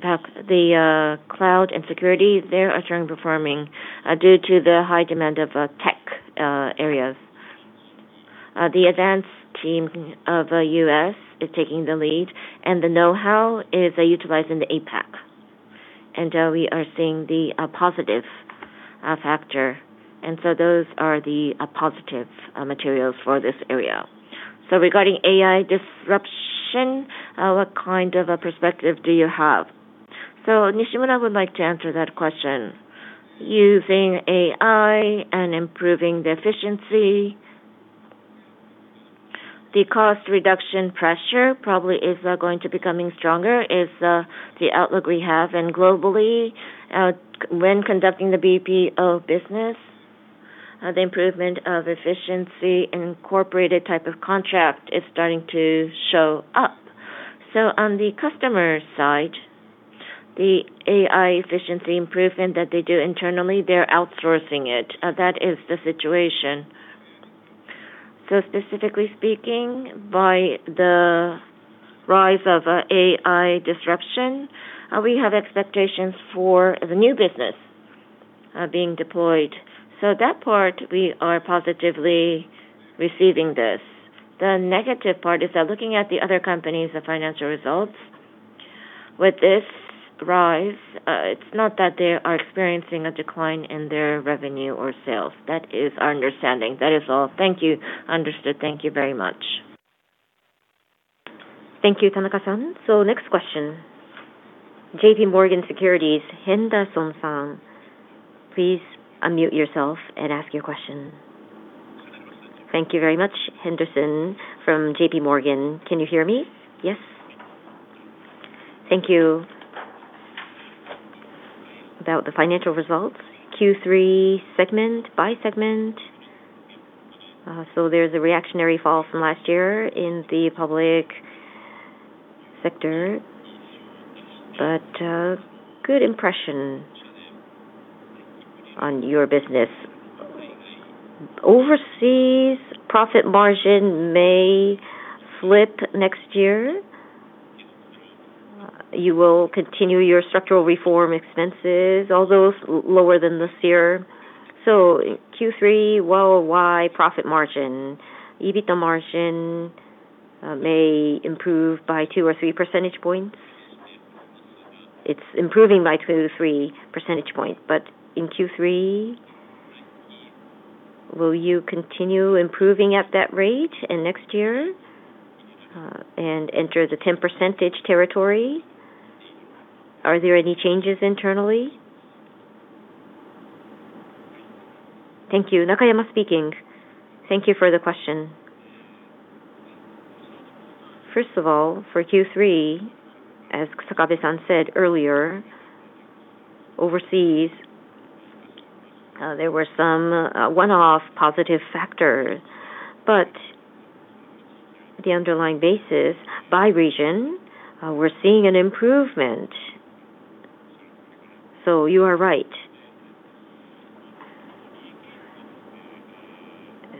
the cloud and security, they are strongly performing due to the high demand of tech areas. The advanced team of the US is taking the lead. The know-how is utilized in the APAC. We are seeing the positive factor. So those are the positive materials for this area. So regarding AI disruption, what kind of a perspective do you have? So Nishimura would like to answer that question. Using AI and improving the efficiency, the cost reduction pressure probably is going to be becoming stronger is the outlook we have. Globally, when conducting the BPO business, the improvement of efficiency incorporated type of contract is starting to show up. So on the customer side, the AI efficiency improvement that they do internally, they're outsourcing it. That is the situation. So specifically speaking, by the rise of AI disruption, we have expectations for the new business being deployed. So that part, we are positively receiving this. The negative part is looking at the other companies' financial results. With this rise, it's not that they are experiencing a decline in their revenue or sales. That is our understanding. That is all. Thank you. Understood. Thank you very much. Thank you, Tanaka-san. So next question. J.P. Morgan Securities, Henderson, please unmute yourself and ask your question. Thank you very much, Henderson from J.P. Morgan. Can you hear me? Yes. Thank you. About the financial results, Q3 segment by segment, so there's a reactionary fall from last year in the public sector. But good impression on your business. OBaaSas profit margin may flip next year. You will continue your structural reform expenses, although lower than this year. So Q3, worldwide profit margin, EBITDA margin may improve by 2-3 percentage points. It's improving by 2-3 percentage points. But in Q3, will you continue improving at that rate and next year and enter the 10% territory? Are there any changes internally? Thank you. Nakayama speaking. Thank you for the question. First of all, for Q3, as Kusakabe-san said earlier, oBaaSas, there were some one-off positive factors. But at the underlying basis, by region, we're seeing an improvement. So you are right.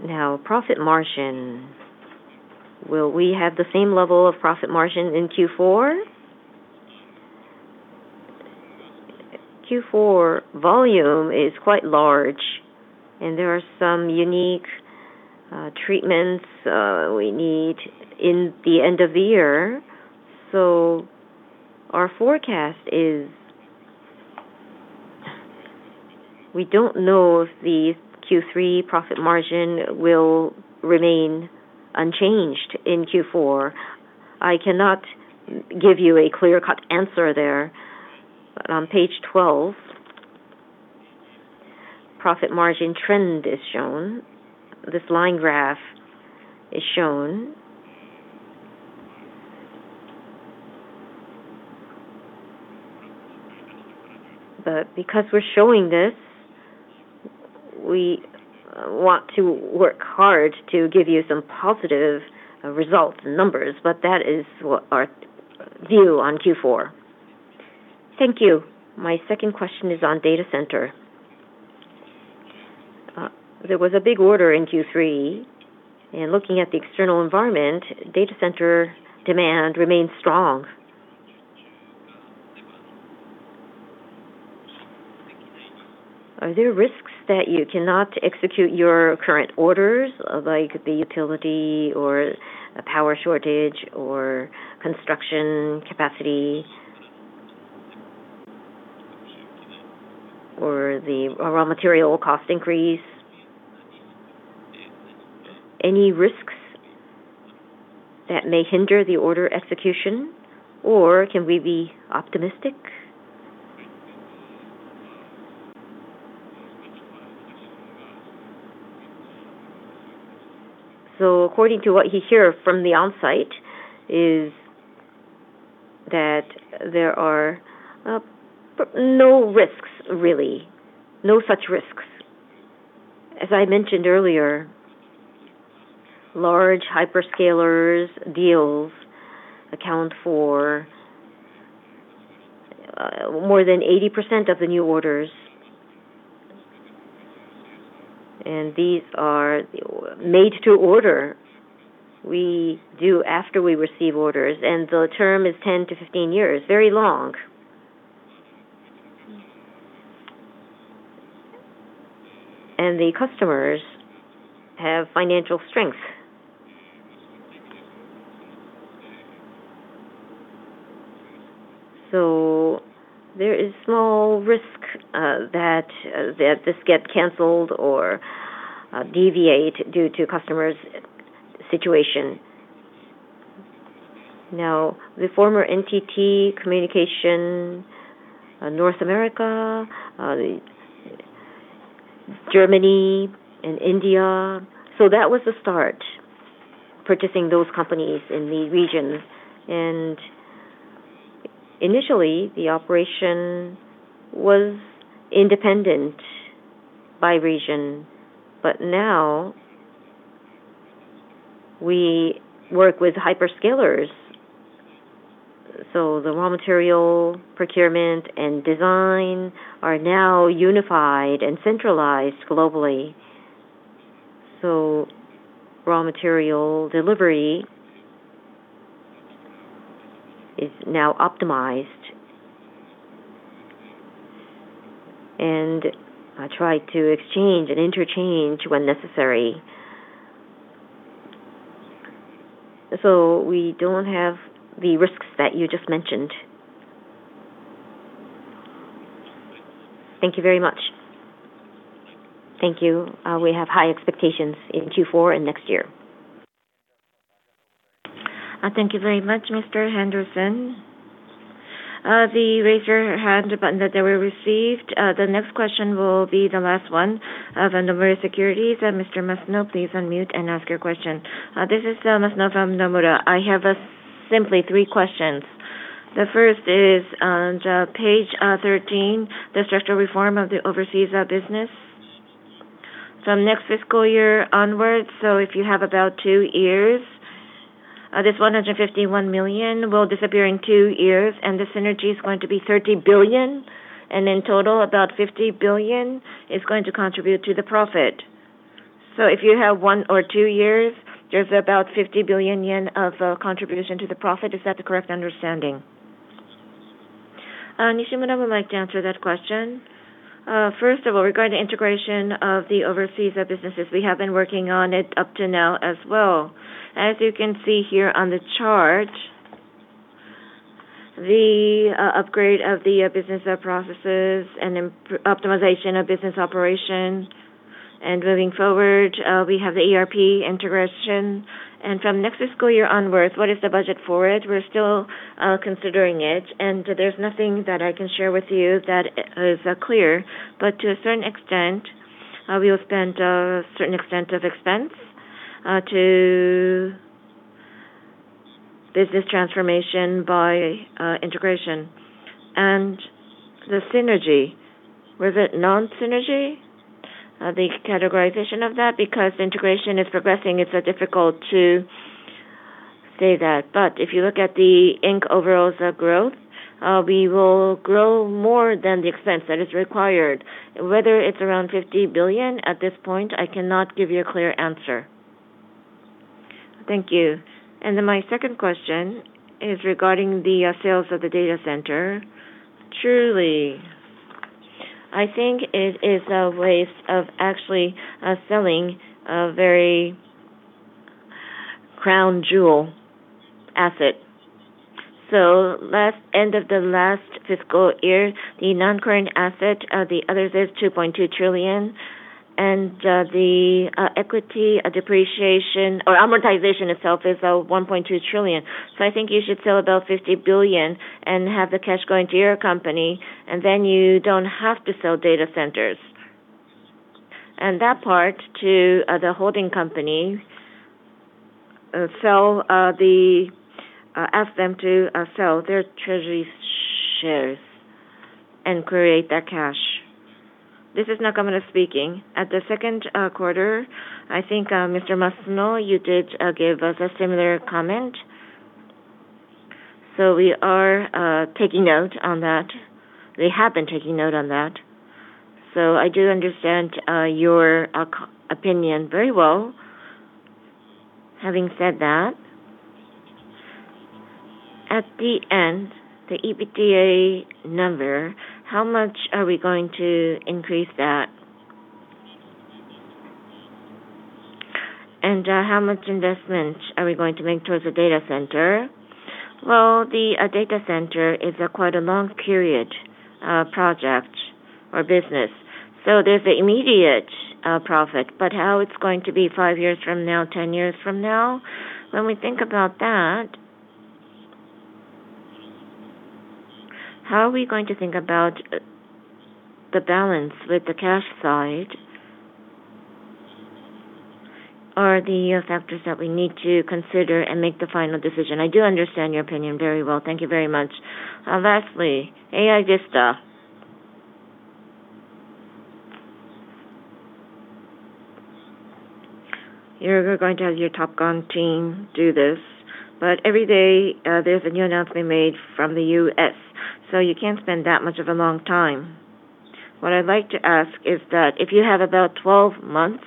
Now, profit margin, will we have the same level of profit margin in Q4? Q4 volume is quite large. And there are some unique treatments we need in the end of the year. So our forecast is we don't know if the Q3 profit margin will remain unchanged in Q4. I cannot give you a clear-cut answer there. On Page 12, profit margin trend is shown. This line graph is shown. But because we're showing this, we want to work hard to give you some positive results and numbers. That is our view on Q4. Thank you. My second question is on data center. There was a big order in Q3. Looking at the external environment, data center demand remains strong. Are there risks that you cannot execute your current orders like the utility or power shortage or construction capacity or the raw material cost increase? Any risks that may hinder the order execution? Or can we be optimistic? According to what you hear from the on-site, is that there are no risks, really, no such risks. As I mentioned earlier, large hyperscalers deals account for more than 80% of the new orders. These are made to order. We do after we receive orders. The term is 10-15 years, very long. The customers have financial strength. So there is small risk that this gets canceled or deviated due to customers' situation. Now, the former NTT Communications, North America, Germany, and India, so that was the start, purchasing those companies in the region. Initially, the operation was independent by region. But now, we work with hyperscalers. So the raw material procurement and design are now unified and centralized globally. So raw material delivery is now optimized. And I try to exchange and interchange when necessary. So we don't have the risks that you just mentioned. Thank you very much. Thank you. We have high expectations in Q4 and next year. Thank you very much, Mr. Henderson. The raise your hand button that they were received. The next question will be the last one of Nomura Securities. Mr. Masuno, please unmute and ask your question. This is Masuno from Nomura. I have simply three questions. The first is on Page 13, the structural reform of the oBaaSas business from next fiscal year onwards. If you have about two years, this 151 million will disappear in two years. The synergy is going to be 30 billion. In total, about 50 billion is going to contribute to the profit. If you have one or two years, there's about 50 billion yen of contribution to the profit. Is that the correct understanding? Nishimura would like to answer that question. First of all, regarding the integration of the oBaaSas businesses, we have been working on it up to now as well. As you can see here on the chart, the upgrade of the business processes and optimization of business operation. Moving forward, we have the ERP integration. From next fiscal year onwards, what is the budget for it? We're still considering it. There's nothing that I can share with you that is clear. But to a certain extent, we will spend a certain extent of expense to business transformation by integration. The synergy, was it non-synergy? The categorization of that, because integration is progressing, it's difficult to say that. But if you look at the overall growth, we will grow more than the expense that is required. Whether it's around 50 billion at this point, I cannot give you a clear answer. Thank you. My second question is regarding the sales of the data center. Truly, I think it is a waste of actually selling a very crown jewel asset. So end of the last fiscal year, the non-current asset, the others is 2.2 trillion. And the equity depreciation or amortization itself is 1.2 trillion. So I think you should sell about 50 billion and have the cash go into your company. And then you don't have to sell data centers. And that part to the holding company ask them to sell their treasury shares and create that cash. This is Nakayama speaking. At the second quarter, I think, Mr. Masuno, you did give us a similar comment. So we are taking note on that. We have been taking note on that. So I do understand your opinion very well. Having said that, at the end, the EBITDA number, how much are we going to increase that? How much investment are we going to make towards the data center? Well, the data center is quite a long-period project or business. So there's an immediate profit. But how it's going to be 5 years from now, 10 years from now, when we think about that, how are we going to think about the balance with the cash side or the factors that we need to consider and make the final decision? I do understand your opinion very well. Thank you very much. Lastly, AI business, you're going to have your Top Gun team do this. But every day, there's a new announcement made from the US. So you can't spend that much of a long time. What I'd like to ask is that if you have about 12 months,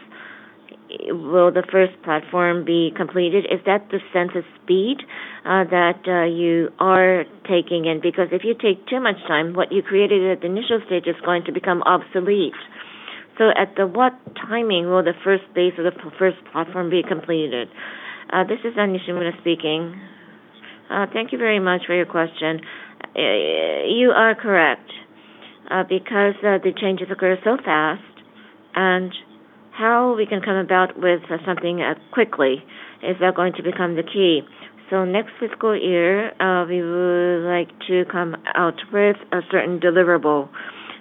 will the first platform be completed? Is that the sense of speed that you are taking in? Because if you take too much time, what you created at the initial stage is going to become obsolete. So at what timing will the first phase of the first platform be completed? This is Nishimura speaking. Thank you very much for your question. You are correct. Because the changes occur so fast, and how we can come about with something quickly is going to become the key. So next fiscal year, we would like to come out with a certain deliverable.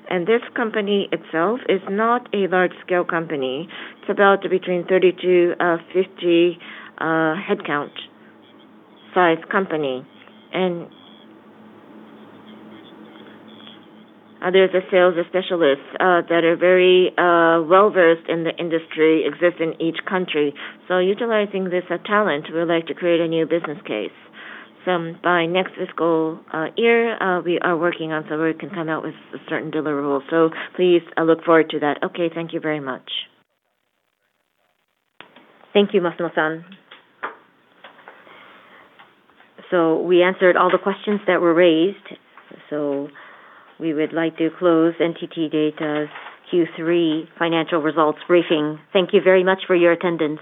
And this company itself is not a large-scale company. It's about between 30-50 headcount-sized company. And there's sales specialists that are very well-BaaSd in the industry that exist in each country. So utilizing this talent, we would like to create a new business case. So by next fiscal year, we are working on so we can come out with a certain deliverable. So please look forward to that. Okay. Thank you very much. Thank you, Masuno-san. So we answered all the questions that were raised. So we would like to close NTT DATA's Q3 financial results briefing. Thank you very much for your attendance.